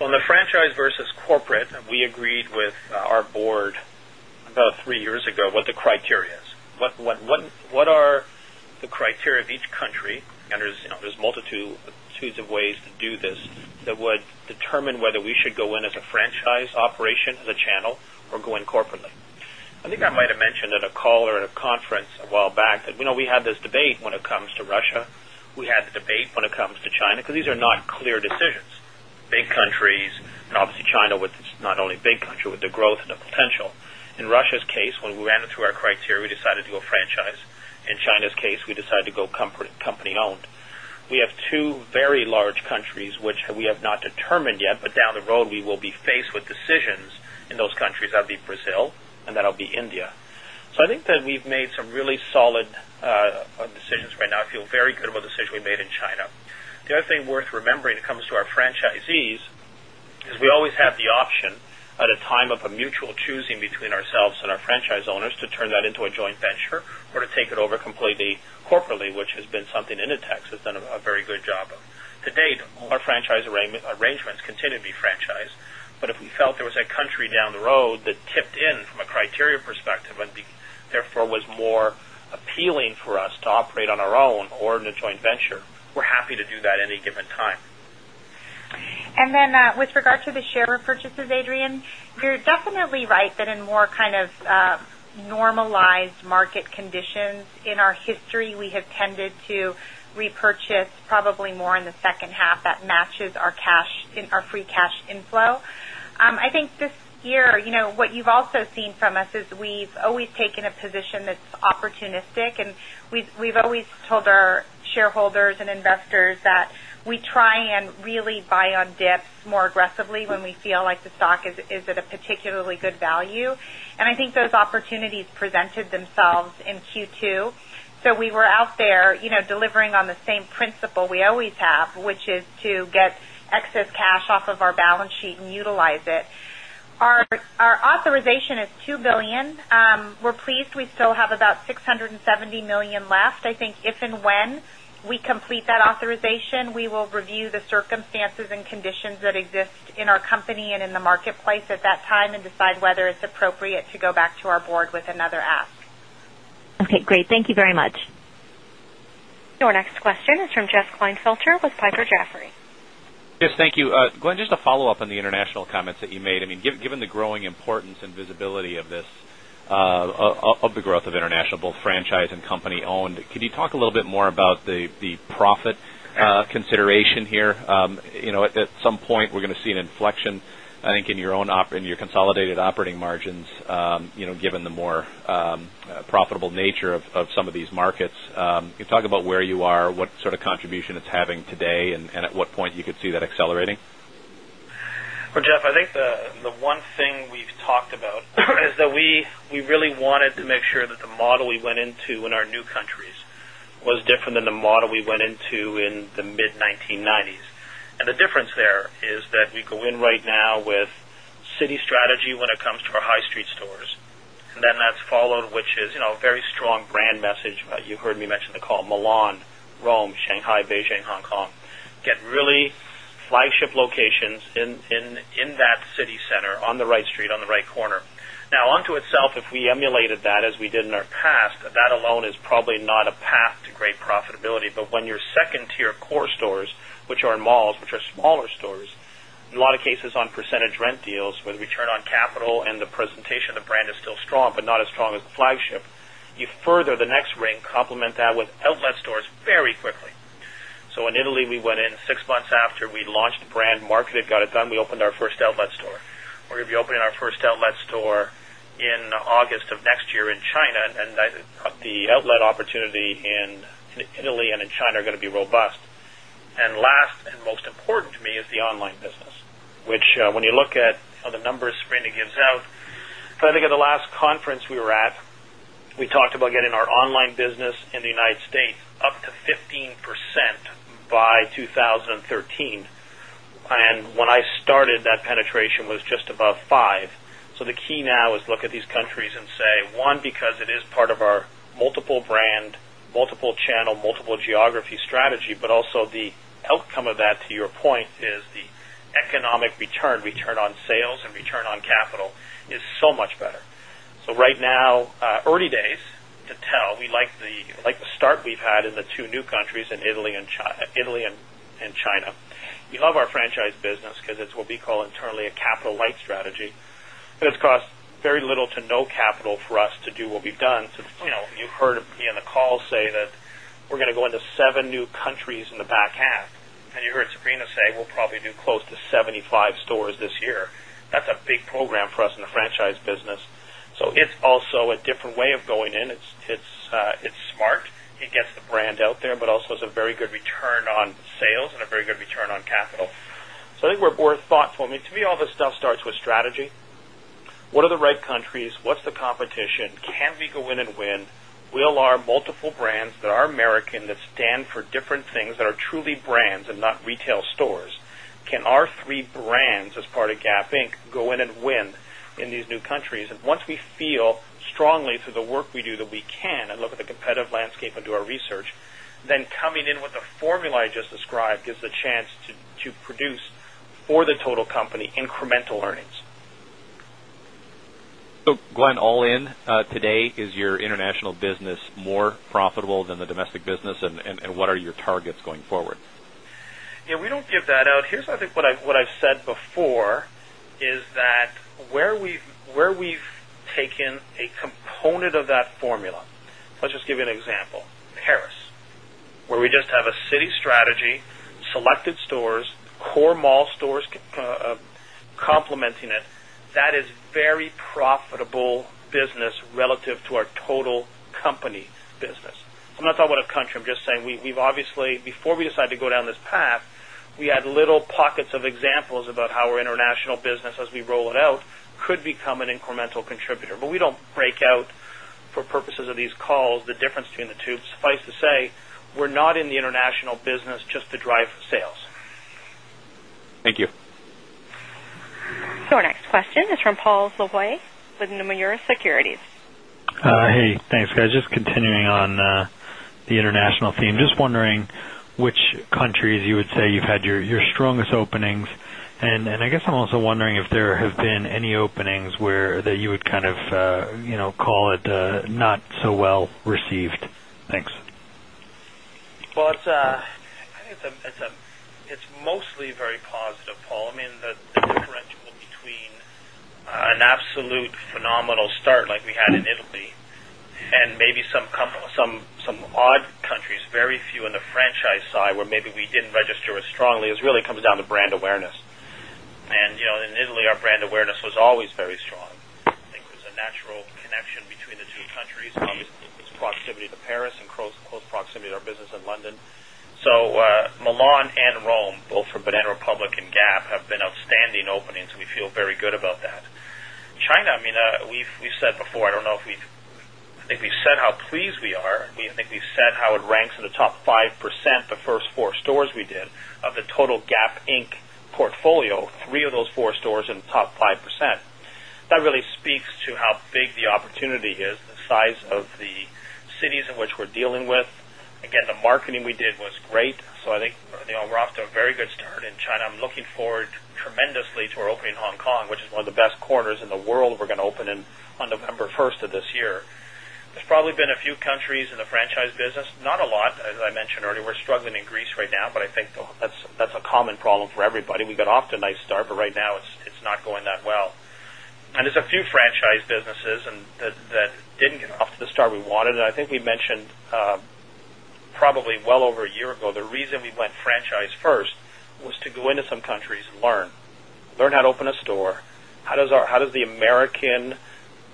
On the franchise versus corporate, we agreed with our board about three years ago what the criteria is. What are the criteria of each country? There are multitudes of ways to do this that would determine whether we should go in as a franchise operation, as a channel, or go in corporately. I think I might have mentioned in a call or at a conference a while back that we have this debate when it comes to Russia. We had the debate when it comes to China because these are not clear decisions. Big countries, and obviously China with not only big countries with the growth and the potential. In Russia's case, when we ran it through our criteria, we decided to go franchise. In China's case, we decided to go company-owned. We have two very large countries, which we have not determined yet, but down the road, we will be faced with decisions in those countries. That will be Brazil, and that will be India. I think that we've made some really solid decisions right now. I feel very good about the decision we made in China. The other thing worth remembering when it comes to our franchisees is we always have the option at a time of a mutual choosing between ourselves and our franchise owners to turn that into a joint venture or to take it over completely corporately, which has been something Inditex has done a very good job of. To date, our franchise arrangements continue to be franchised, but if we felt there was a country down the road that tipped in from a criteria perspective and therefore was more appealing for us to operate on our own or in a joint venture, we're happy to do that at any given time. With regard to the share repurchases, Adrienne, you're definitely right that in more kind of normalized market conditions in our history, we have tended to repurchase probably more in the second half that matches our cash in our free cash inflow. I think this year, what you've also seen from us is we've always taken a position that's opportunistic, and we've always told our shareholders and investors that we try and really buy on dips more aggressively when we feel like the stock is at a particularly good value. I think those opportunities presented themselves in Q2. We were out there, delivering on the same principle we always have, which is to get excess cash off of our balance sheet and utilize it. Our authorization is $2 billion. We're pleased we still have about $670 million left. I think if and when we complete that authorization, we will review the circumstances and conditions that exist in our company and in the marketplace at that time and decide whether it's appropriate to go back to our board with another ask. Okay, great. Thank you very much. Our next question is from Jess Klinefelterer with Piper Jaffray. Yes, thank you. Glenn, just a follow-up on the international comments that you made. Given the growing importance and visibility of this, of the growth of international, both franchise and company-owned, could you talk a little bit more about the profit consideration here? At some point, we're going to see an inflection, I think, in your consolidated operating margins, given the more profitable nature of some of these markets. Can you talk about where you are, what sort of contribution it's having today, and at what point you could see that accelerating? Jess, I think the one thing we've talked about is that we really wanted to make sure that the model we went into in our new countries was different than the model we went into in the mid-1990s. The difference there is that we go in right now with city strategy when it comes to our high street stores. That's followed, which is, you know, a very strong brand message. You heard me mention the call: Milan, Rome, Shanghai, Beijing, Hong Kong. Get really flagship locations in that city center, on the right street, on the right corner. Now, onto itself, if we emulated that as we did in our past, that alone is probably not a path to great profitability. When your second-tier core stores, which are in malls, which are smaller stores, in a lot of cases on percentage rent deals with return on capital and the presentation of the brand is still strong, but not as strong as the flagship, you further the next ring, complement that with outlet stores very quickly. In Italy, we went in six months after we launched the brand, marketed, got it done, we opened our first outlet store. We're going to be opening our first outlet store in August of next year in China, and the outlet opportunity in Italy and in China are going to be robust. Last and most important to me is the online business, which when you look at the numbers Sabrina gives out, if I think of the last conference we were at, we talked about getting our online business in the United States up to 15% by 2013. When I started, that penetration was just above 5%. The key now is to look at these countries and say, one, because it is part of our multiple brand, multiple channel, multiple geography strategy, but also the outcome of that, to your point, is the economic return. Return on sales and return on capital is so much better. Right now, early days to tell. We like the start we've had in the two new countries, in Italy and China. You love our franchise business because it's what we call internally a capital-light strategy. It's cost very little to no capital for us to do what we've done. You heard me in the call say that we're going to go into seven new countries in the back half. You heard Sabrina say we'll probably do close to 75 stores this year. That's a big program for us in the franchise business. It's also a different way of going in. It's smart. It gets the brand out there, but also it's a very good return on sales and a very good return on capital. I think we're thoughtful. To me, all this stuff starts with strategy. What are the right countries? What's the competition? Can we go in and win? Will our multiple brands that are American, that stand for different things, that are truly brands and not retail stores? Can our three brands as part of Gap Inc. go in and win in these new countries? Once we feel strongly through the work we do that we can and look at the competitive landscape and do our research, then coming in with the formula I just described gives the chance to produce for the total company incremental earnings. Glenn, all in today, is your international business more profitable than the domestic business? What are your targets going forward? Yeah, we don't give that out. Here's I think what I've said before is that where we've taken a component of that formula. Let's just give you an example. Paris, where we just have a city strategy, selected stores, core mall stores complementing it. That is very profitable business relative to our total company's business. I'm not talking about a country. I'm just saying we've obviously, before we decided to go down this path, we had little pockets of examples about how our international business, as we roll it out, could become an incremental contributor. We don't break out for purposes of these calls the difference between the two. Suffice to say, we're not in the international business just to drive sales. Thank you. Our next question is from Paul Lejuez with Nomura Securities. Hey, thanks, guys. Just continuing on the international theme. I'm just wondering which countries you would say you've had your strongest openings. I'm also wondering if there have been any openings where you would call it not so well received. Thanks. It is mostly very positive, Paul. The differential between an absolute phenomenal start like we had in Italy and maybe some odd countries, very few on the franchise side where maybe we did not register as strongly, really comes down to brand awareness. In Italy, our brand awareness was always very strong. I think there is a natural connection between the two countries. Obviously, there is proximity to Paris and close proximity to our business in London. Milan and Rome, both for Banana Republic and Gap, have been outstanding openings, and we feel very good about that. China, I mean, we have said before, I do not know if we have, I think we have said how pleased we are. We think we have said how it ranks in the top 5% of the first four stores we did of the total Gap Inc. portfolio, three of those four stores in the top 5%. That really speaks to how big the opportunity is, the size of the cities in which we are dealing with. The marketing we did was great. I think we are off to a very good start in China. I am looking forward tremendously to our opening in Hong Kong, which is one of the best corners in the world. We are going to open on November 1 of this year. There have probably been a few countries in the franchise business, not a lot. As I mentioned earlier, we are struggling in Greece right now, but I think that is a common problem for everybody. We got off to a nice start, but right now it is not going that well. There are a few franchise businesses that did not get off to the start we wanted. I think we mentioned probably well over a year ago, the reason we went franchise first was to go into some countries and learn. Learn how to open a store. How does the American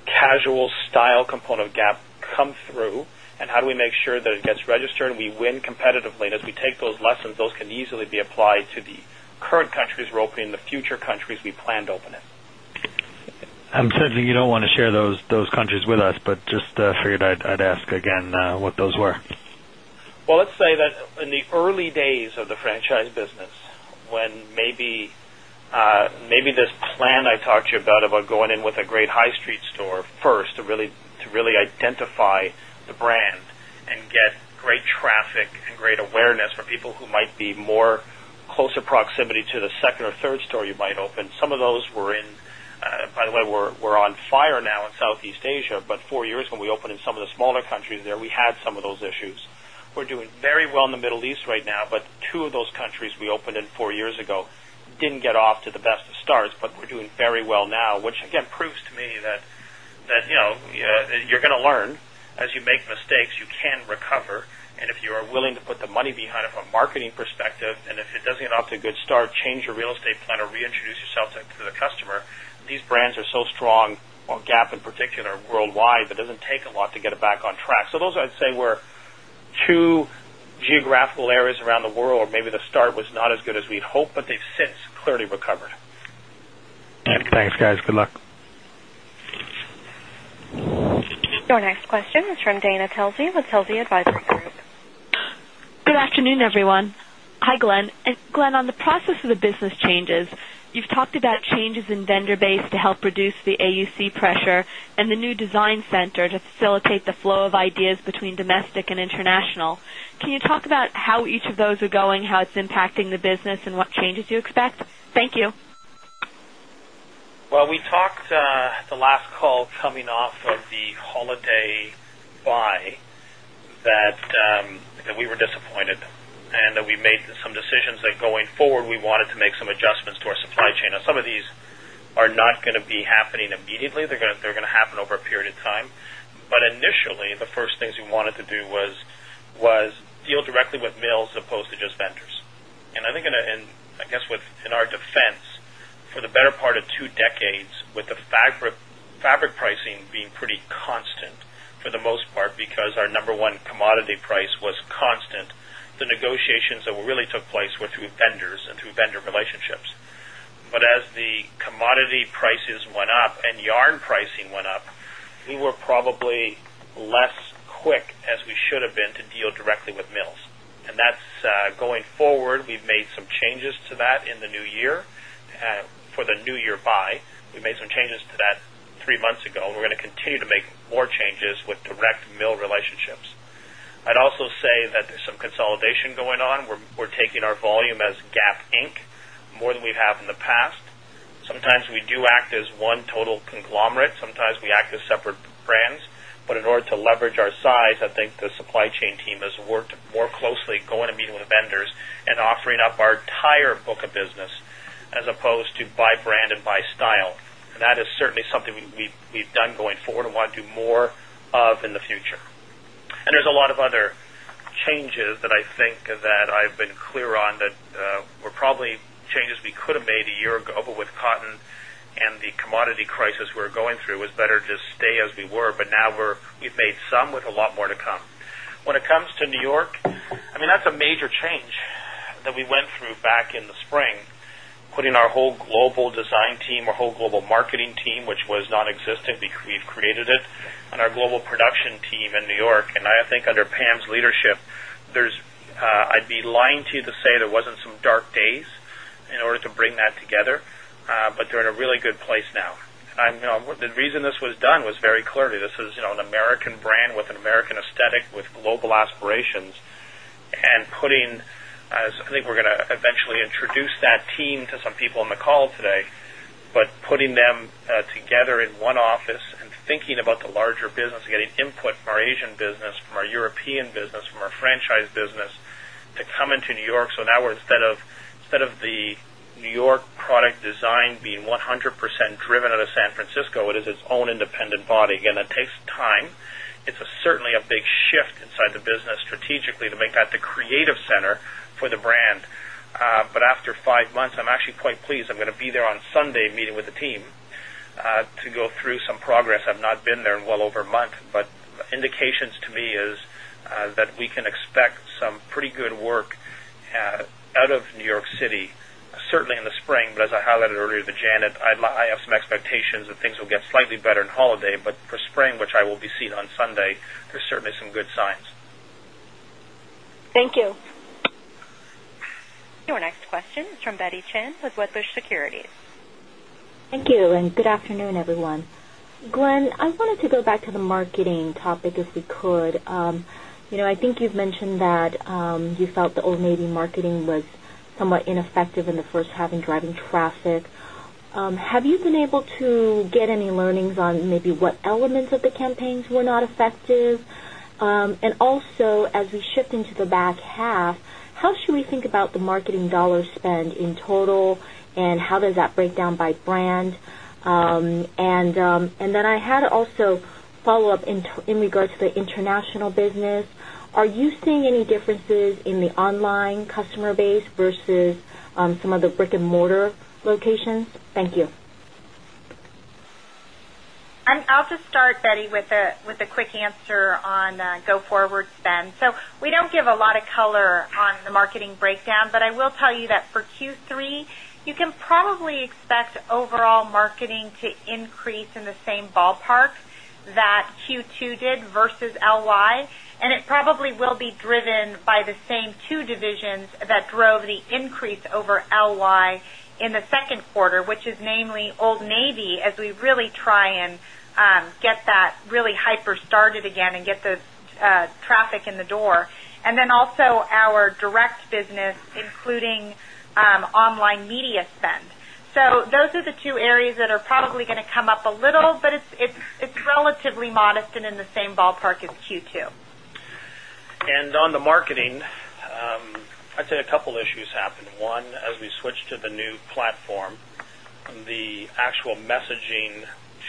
casual style component of Gap come through? How do we make sure that it gets registered and we win competitively? As we take those lessons, those can easily be applied to the current countries we are opening and the future countries we plan to open in. I'm certain you don't want to share those countries with us, but just figured I'd ask again what those were. In the early days of the franchise business, when maybe this plan I talked to you about, about going in with a great high street store first to really identify the brand and get great traffic and great awareness for people who might be more close in proximity to the second or third store you might open, some of those were in, by the way, we're on fire now in Southeast Asia. Four years ago, when we opened in some of the smaller countries there, we had some of those issues. We're doing very well in the Middle East right now, but two of those countries we opened in four years ago didn't get off to the best of starts, but we're doing very well now, which again proves to me that you're going to learn. As you make mistakes, you can recover. If you are willing to put the money behind it from a marketing perspective, and if it doesn't get off to a good start, change your real estate plan or reintroduce yourself to the customer. These brands are so strong on Gap in particular worldwide that it doesn't take a lot to get it back on track. Those were two geographical areas around the world where maybe the start was not as good as we'd hoped, but they've since clearly recovered. Thanks, guys. Good luck. Our next question is from Dana Telsey with Telsey Advisory Group. Good afternoon, everyone. Hi, Glenn. Glenn, on the process of the business changes, you've talked about changes in vendor base to help reduce the AUC pressure and the new design center to facilitate the flow of ideas between domestic and international. Can you talk about how each of those are going, how it's impacting the business, and what changes you expect? Thank you. We talked at the last call coming off of the holiday buy that we were disappointed and that we made some decisions that going forward we wanted to make some adjustments to our supply chain. Some of these are not going to be happening immediately. They're going to happen over a period of time. Initially, the first things we wanted to do was deal directly with mills as opposed to just vendors. I think, and I guess within our defense, for the better part of two decades, with the fabric pricing being pretty constant for the most part because our number one commodity price was constant, the negotiations that really took place were through vendors and through vendor relationships. As the commodity prices went up and yarn pricing went up, we were probably less quick as we should have been to deal directly with mills. That's going forward. We've made some changes to that in the new year for the new year buy. We made some changes to that three months ago, and we're going to continue to make more changes with direct mill relationships. I'd also say that there's some consolidation going on. We're taking our volume as Gap Inc. more than we have in the past. Sometimes we do act as one total conglomerate. Sometimes we act as separate brands. In order to leverage our size, I think the supply chain team has worked more closely, going to meeting with vendors and offering up our entire book of business as opposed to by brand and by style. That is certainly something we've done going forward and want to do more of in the future. There's a lot of other changes that I think that I've been clear on that were probably changes we could have made a year ago, but with cotton and the commodity crisis we're going through, it was better to just stay as we were. Now we've made some with a lot more to come. When it comes to New York, that's a major change that we went through back in the spring, putting our whole global design team, our whole global marketing team, which was nonexistent because we've created it, and our global production team in New York. I think under Pam's leadership, I'd be lying to you to say there wasn't some dark days in order to bring that together. They're in a really good place now. The reason this was done was very clearly. This is an American brand with an American aesthetic with global aspirations. I think we're going to eventually introduce that team to some people on the call today, but putting them together in one office and thinking about the larger business and getting input from our Asian business, from our European business, from our franchise business to come into New York. Now, instead of the New York product design being 100% driven out of San Francisco, it is its own independent body. That takes time. It's certainly a big shift inside the business strategically to make that the creative center for the brand. After five months, I'm actually quite pleased. I'm going to be there on Sunday meeting with the team to go through some progress. I've not been there in well over a month, but indications to me are that we can expect some pretty good work out of New York City, certainly in the spring. As I highlighted earlier to Janet, I have some expectations that things will get slightly better in holiday. For spring, which I will be seeing on Sunday, there's certainly some good signs. Thank you. Our next question is from Betty Chen with Wedbush Securities. Thank you, and good afternoon, everyone. Glenn, I wanted to go back to the marketing topic if we could. I think you've mentioned that you felt the Old Navy marketing was somewhat ineffective in the first half in driving traffic. Have you been able to get any learnings on maybe what elements of the campaigns were not effective? Also, as we shift into the back half, how should we think about the marketing dollar spend in total, and how does that break down by brand? I had also a follow-up in regards to the international business. Are you seeing any differences in the online customer base versus some of the brick-and-mortar locations? Thank you. I'll just start, Betty, with a quick answer on the go-forward spend. We don't give a lot of color on the marketing breakdown, but I will tell you that for Q3, you can probably expect overall marketing to increase in the same ballpark that Q2 did versus LY. It probably will be driven by the same two divisions that .drove the increase over LY in the second quarter, which is namely Old Navy, as we really try and get that really hyper started again and get those traffic in the door, and also our direct business, including online media spend. Those are the two areas that are probably going to come up a little, but it's relatively modest and in the same ballpark as Q2. On the marketing, I'd say a couple of issues happened. One, as we switched to the new platform, the actual messaging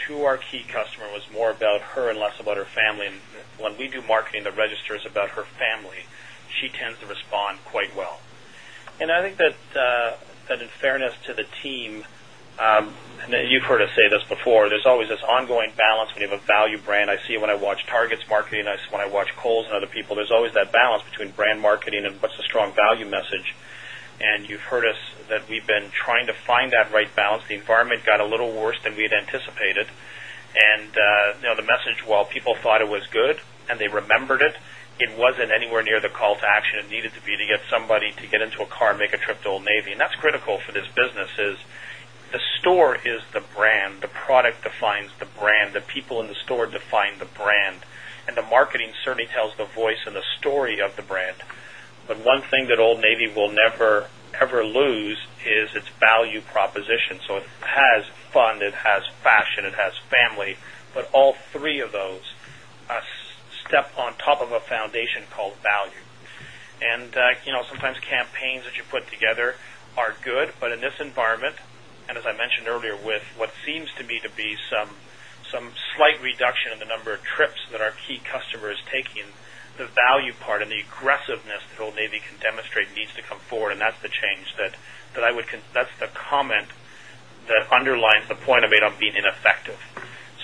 to our key customer was more about her and less about her family. When we do marketing that registers about her family, she tends to respond quite well. In fairness to the team, and you've heard us say this before, there's always this ongoing balance when you have a value brand. I see it when I watch Target's marketing. I see it when I watch Kohl's and other people. There's always that balance between brand marketing and what's the strong value message. You've heard us that we've been trying to find that right balance. The environment got a little worse than we had anticipated. The message, while people thought it was good and they remembered it, it wasn't anywhere near the call to action it needed to be to get somebody to get into a car and make a trip to Old Navy. That is critical for this business, as the store is the brand. The product defines the brand. The people in the store define the brand. The marketing certainly tells the voice and the story of the brand. One thing that Old Navy will never ever lose is its value proposition. It has fun, it has fashion, it has family. All three of those step on top of a foundation called value. Sometimes campaigns that you put together are good, but in this environment, and as I mentioned earlier, with what seems to me to be some slight reduction in the number of trips that our key customer is taking, the value part and the aggressiveness that Old Navy can demonstrate needs to come forward. That is the comment that underlines the point I made on being ineffective.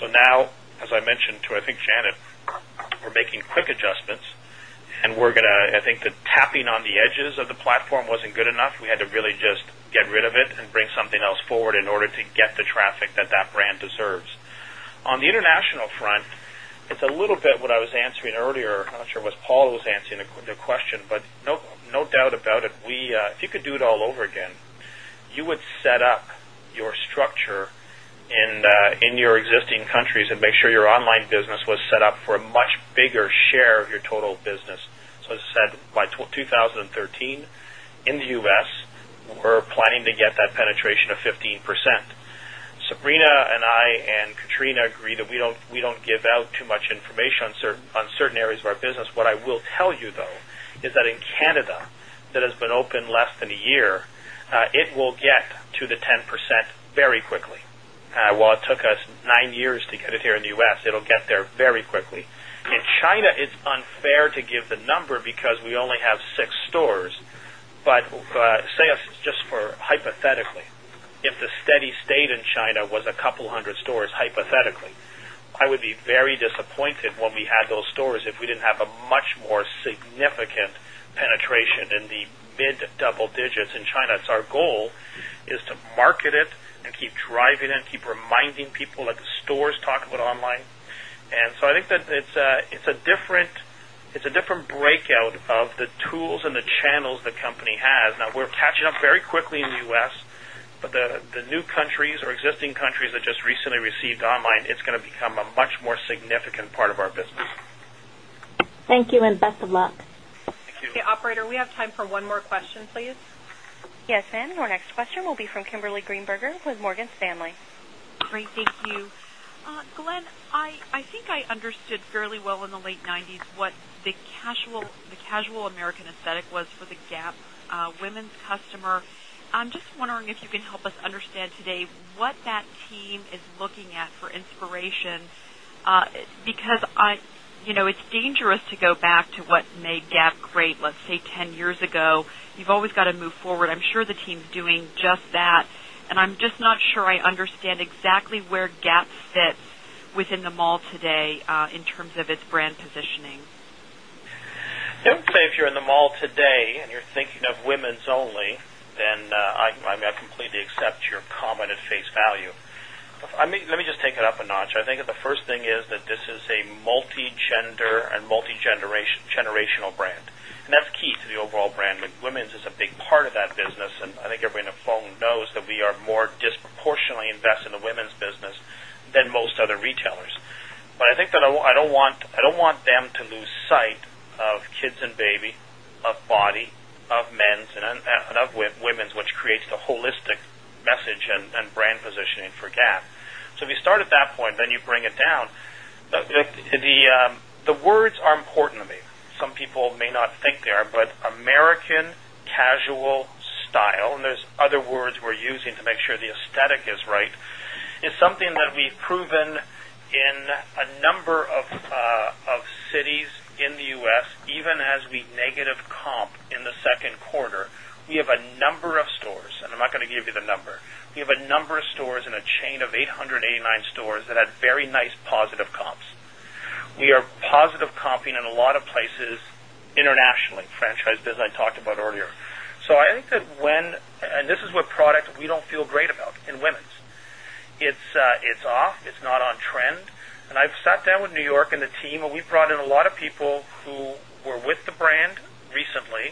As I mentioned to, I think, Janet, we're making quick adjustments. We're going to, I think, the tapping on the edges of the platform wasn't good enough. We had to really just get rid of it and bring something else forward in order to get the traffic that that brand deserves. On the international front, it's a little bit what I was answering earlier. I'm not sure it was Paul who was answering the question, but no doubt about it. If you could do it all over again, you would set up your structure in your existing countries and make sure your online business was set up for a much bigger share of your total business. As I said, by 2013, in the U.S., we're planning to get that penetration of 15%. Sabrina and I and Katrina agree that we don't give out too much information on certain areas of our business. What I will tell you, though, is that in Canada, that has been opened less than a year, it will get to the 10% very quickly. It took us nine years to get it here in the U.S. It'll get there very quickly. In China, it's unfair to give the number because we only have six stores. For example, just hypothetically, if the steady state in China was a couple hundred stores, hypothetically, I would be very disappointed when we had those stores if we didn't have a much more significant penetration in the mid-double digits in China. Our goal is to market it and keep driving it and keep reminding people that the stores talk about online. I think that it's a different breakout of the tools and the channels the company has. Now, we're catching up very quickly in the U.S., but the new countries or existing countries that just recently received online, it's going to become a much more significant part of our business. Thank you, and best of luck. Thank you. Operator, we have time for one more question, please. Yes, our next question will be from Kimberly Greenberger with Morgan Stanley. Great, thank you. Glenn, I think I understood fairly well in the late 1990s what the casual American aesthetic was for the Gap women's customer. I'm just wondering if you can help us understand today what that team is looking at for inspiration because you know it's dangerous to go back to what made Gap great, let's say, 10 years ago. You've always got to move forward. I'm sure the team's doing just that. I'm just not sure I understand exactly where Gap fits within the mall today in terms of its brand positioning. I would say if you're in the mall today and you're thinking of women's only, then I completely accept your comment at face value. Let me just take it up a notch. I think that the first thing is that this is a multi-gender and multi-generational brand, and that's key to the overall brand. Women's is a big part of that business, and I think everybody on the phone knows that we are more disproportionately invested in the women's business than most other retailers. I don't want them to lose sight of kids and baby, of body, of men's, and of women's, which creates the holistic message and brand positioning for Gap. If you start at that point, then you bring it down. The words are important to me. Some people may not think they are, but American casual style, and there's other words we're using to make sure the aesthetic is right, is something that we've proven in a number of cities in the U.S. Even as we negative comp in the second quarter, we have a number of stores, and I'm not going to give you the number. We have a number of stores in a chain of 889 stores that had very nice positive comps. We are positive comping in a lot of places internationally, franchise business I talked about earlier. I think that when, and this is what product we don't feel great about in women's, it's off. It's not on trend. I've sat down with New York and the team, and we brought in a lot of people who were with the brand recently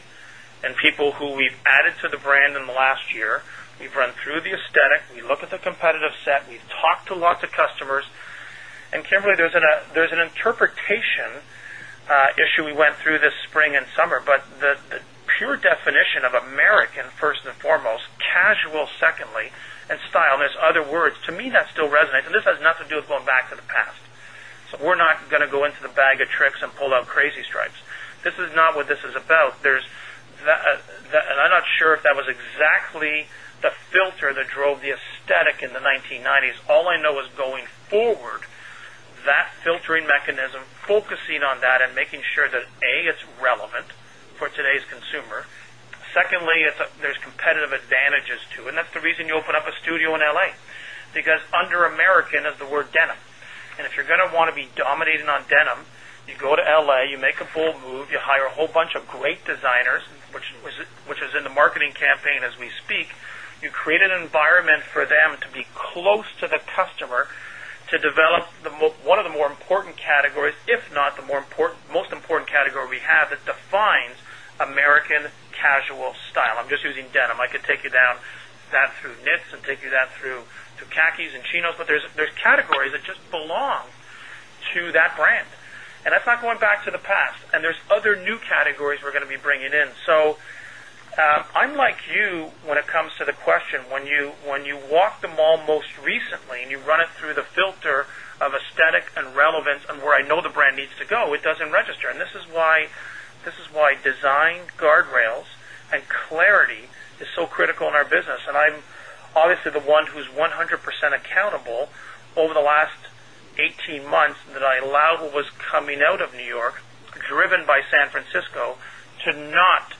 and people who we've added to the brand in the last year. We've run through the aesthetic. We look at the competitive set. We've talked to lots of customers. Kimberly, there's an interpretation issue we went through this spring and summer. The pure definition of American, first and foremost, casual, secondly, and style, and there's other words, to me, that still resonates. This has nothing to do with going back to the past. We're not going to go into the bag of tricks and pull out crazy stripes. This is not what this is about. I'm not sure if that was exactly the filter that drove the aesthetic in the 1990s. All I know is going forward, that filtering mechanism, focusing on that, and making sure that, A, it's relevant for today's consumer. Secondly, there's competitive advantages to it. That's the reason you open up a studio in .LA. Because under American, there's the word denim. If you're going to want to be dominating on denim, you go to L.A., you make a bold move, you hire a whole bunch of great designers, which is in the marketing campaign as we speak. You create an environment for them to be close to the customer to develop one of the more important categories, if not the most important category we have that defines American casual style. I'm just using denim. I could take you down that through knits and take you that through to khakis and chinos. There are categories that just belong to that brand. That is not going back to the past. There are other new categories we're going to be bringing in. Unlike you, when it comes to the question, when you walk the mall most recently and you run it through the filter of aesthetic and relevance and where I know the brand needs to go, it doesn't register. This is why design guardrails and clarity are so critical in our business. I'm obviously the one who's 100% accountable over the last 18 months that I allowed who was coming out of New York, driven by San Francisco, to not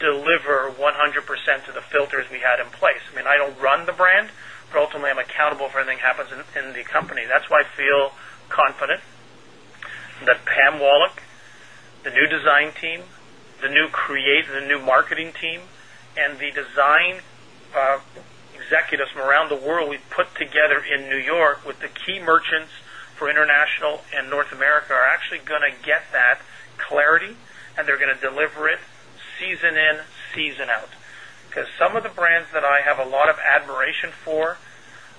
deliver 100% to the filters we had in place. I don't run the brand, but ultimately, I'm accountable for anything that happens in the company. That is why I feel confident that Pam Wallick, the new design team, the new creative, the new marketing team, and the design executives from around the world we put together in New York with the key merchants for international and North America are actually going to get that clarity, and they're going to deliver it season in, season out. Some of the brands that I have a lot of admiration for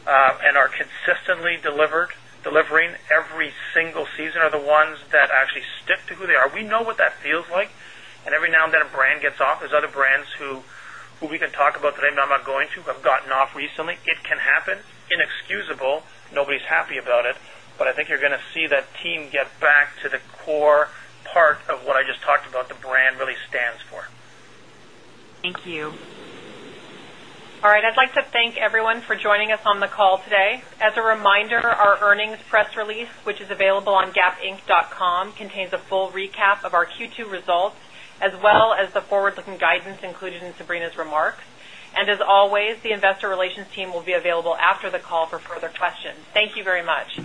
and are consistently delivering every single season are the ones that actually stick to who they are. We know what that feels like. Every now and then, a brand gets off. There are other brands who we can talk. I'm not going to. I've gotten off recently. It can happen. Inexcusable. Nobody's happy about it. I think you're going to see that team get back to the core part of what I just talked about, the brand really stands for. Thank you. All right. I'd like to thank everyone for joining us on the call today. As a reminder, our earnings press release, which is available on gapinc.com, contains a full recap of our Q2 results, as well as the forward-looking guidance included in Sabrina's remarks. The investor relations team will be available after the call for further questions. Thank you very much.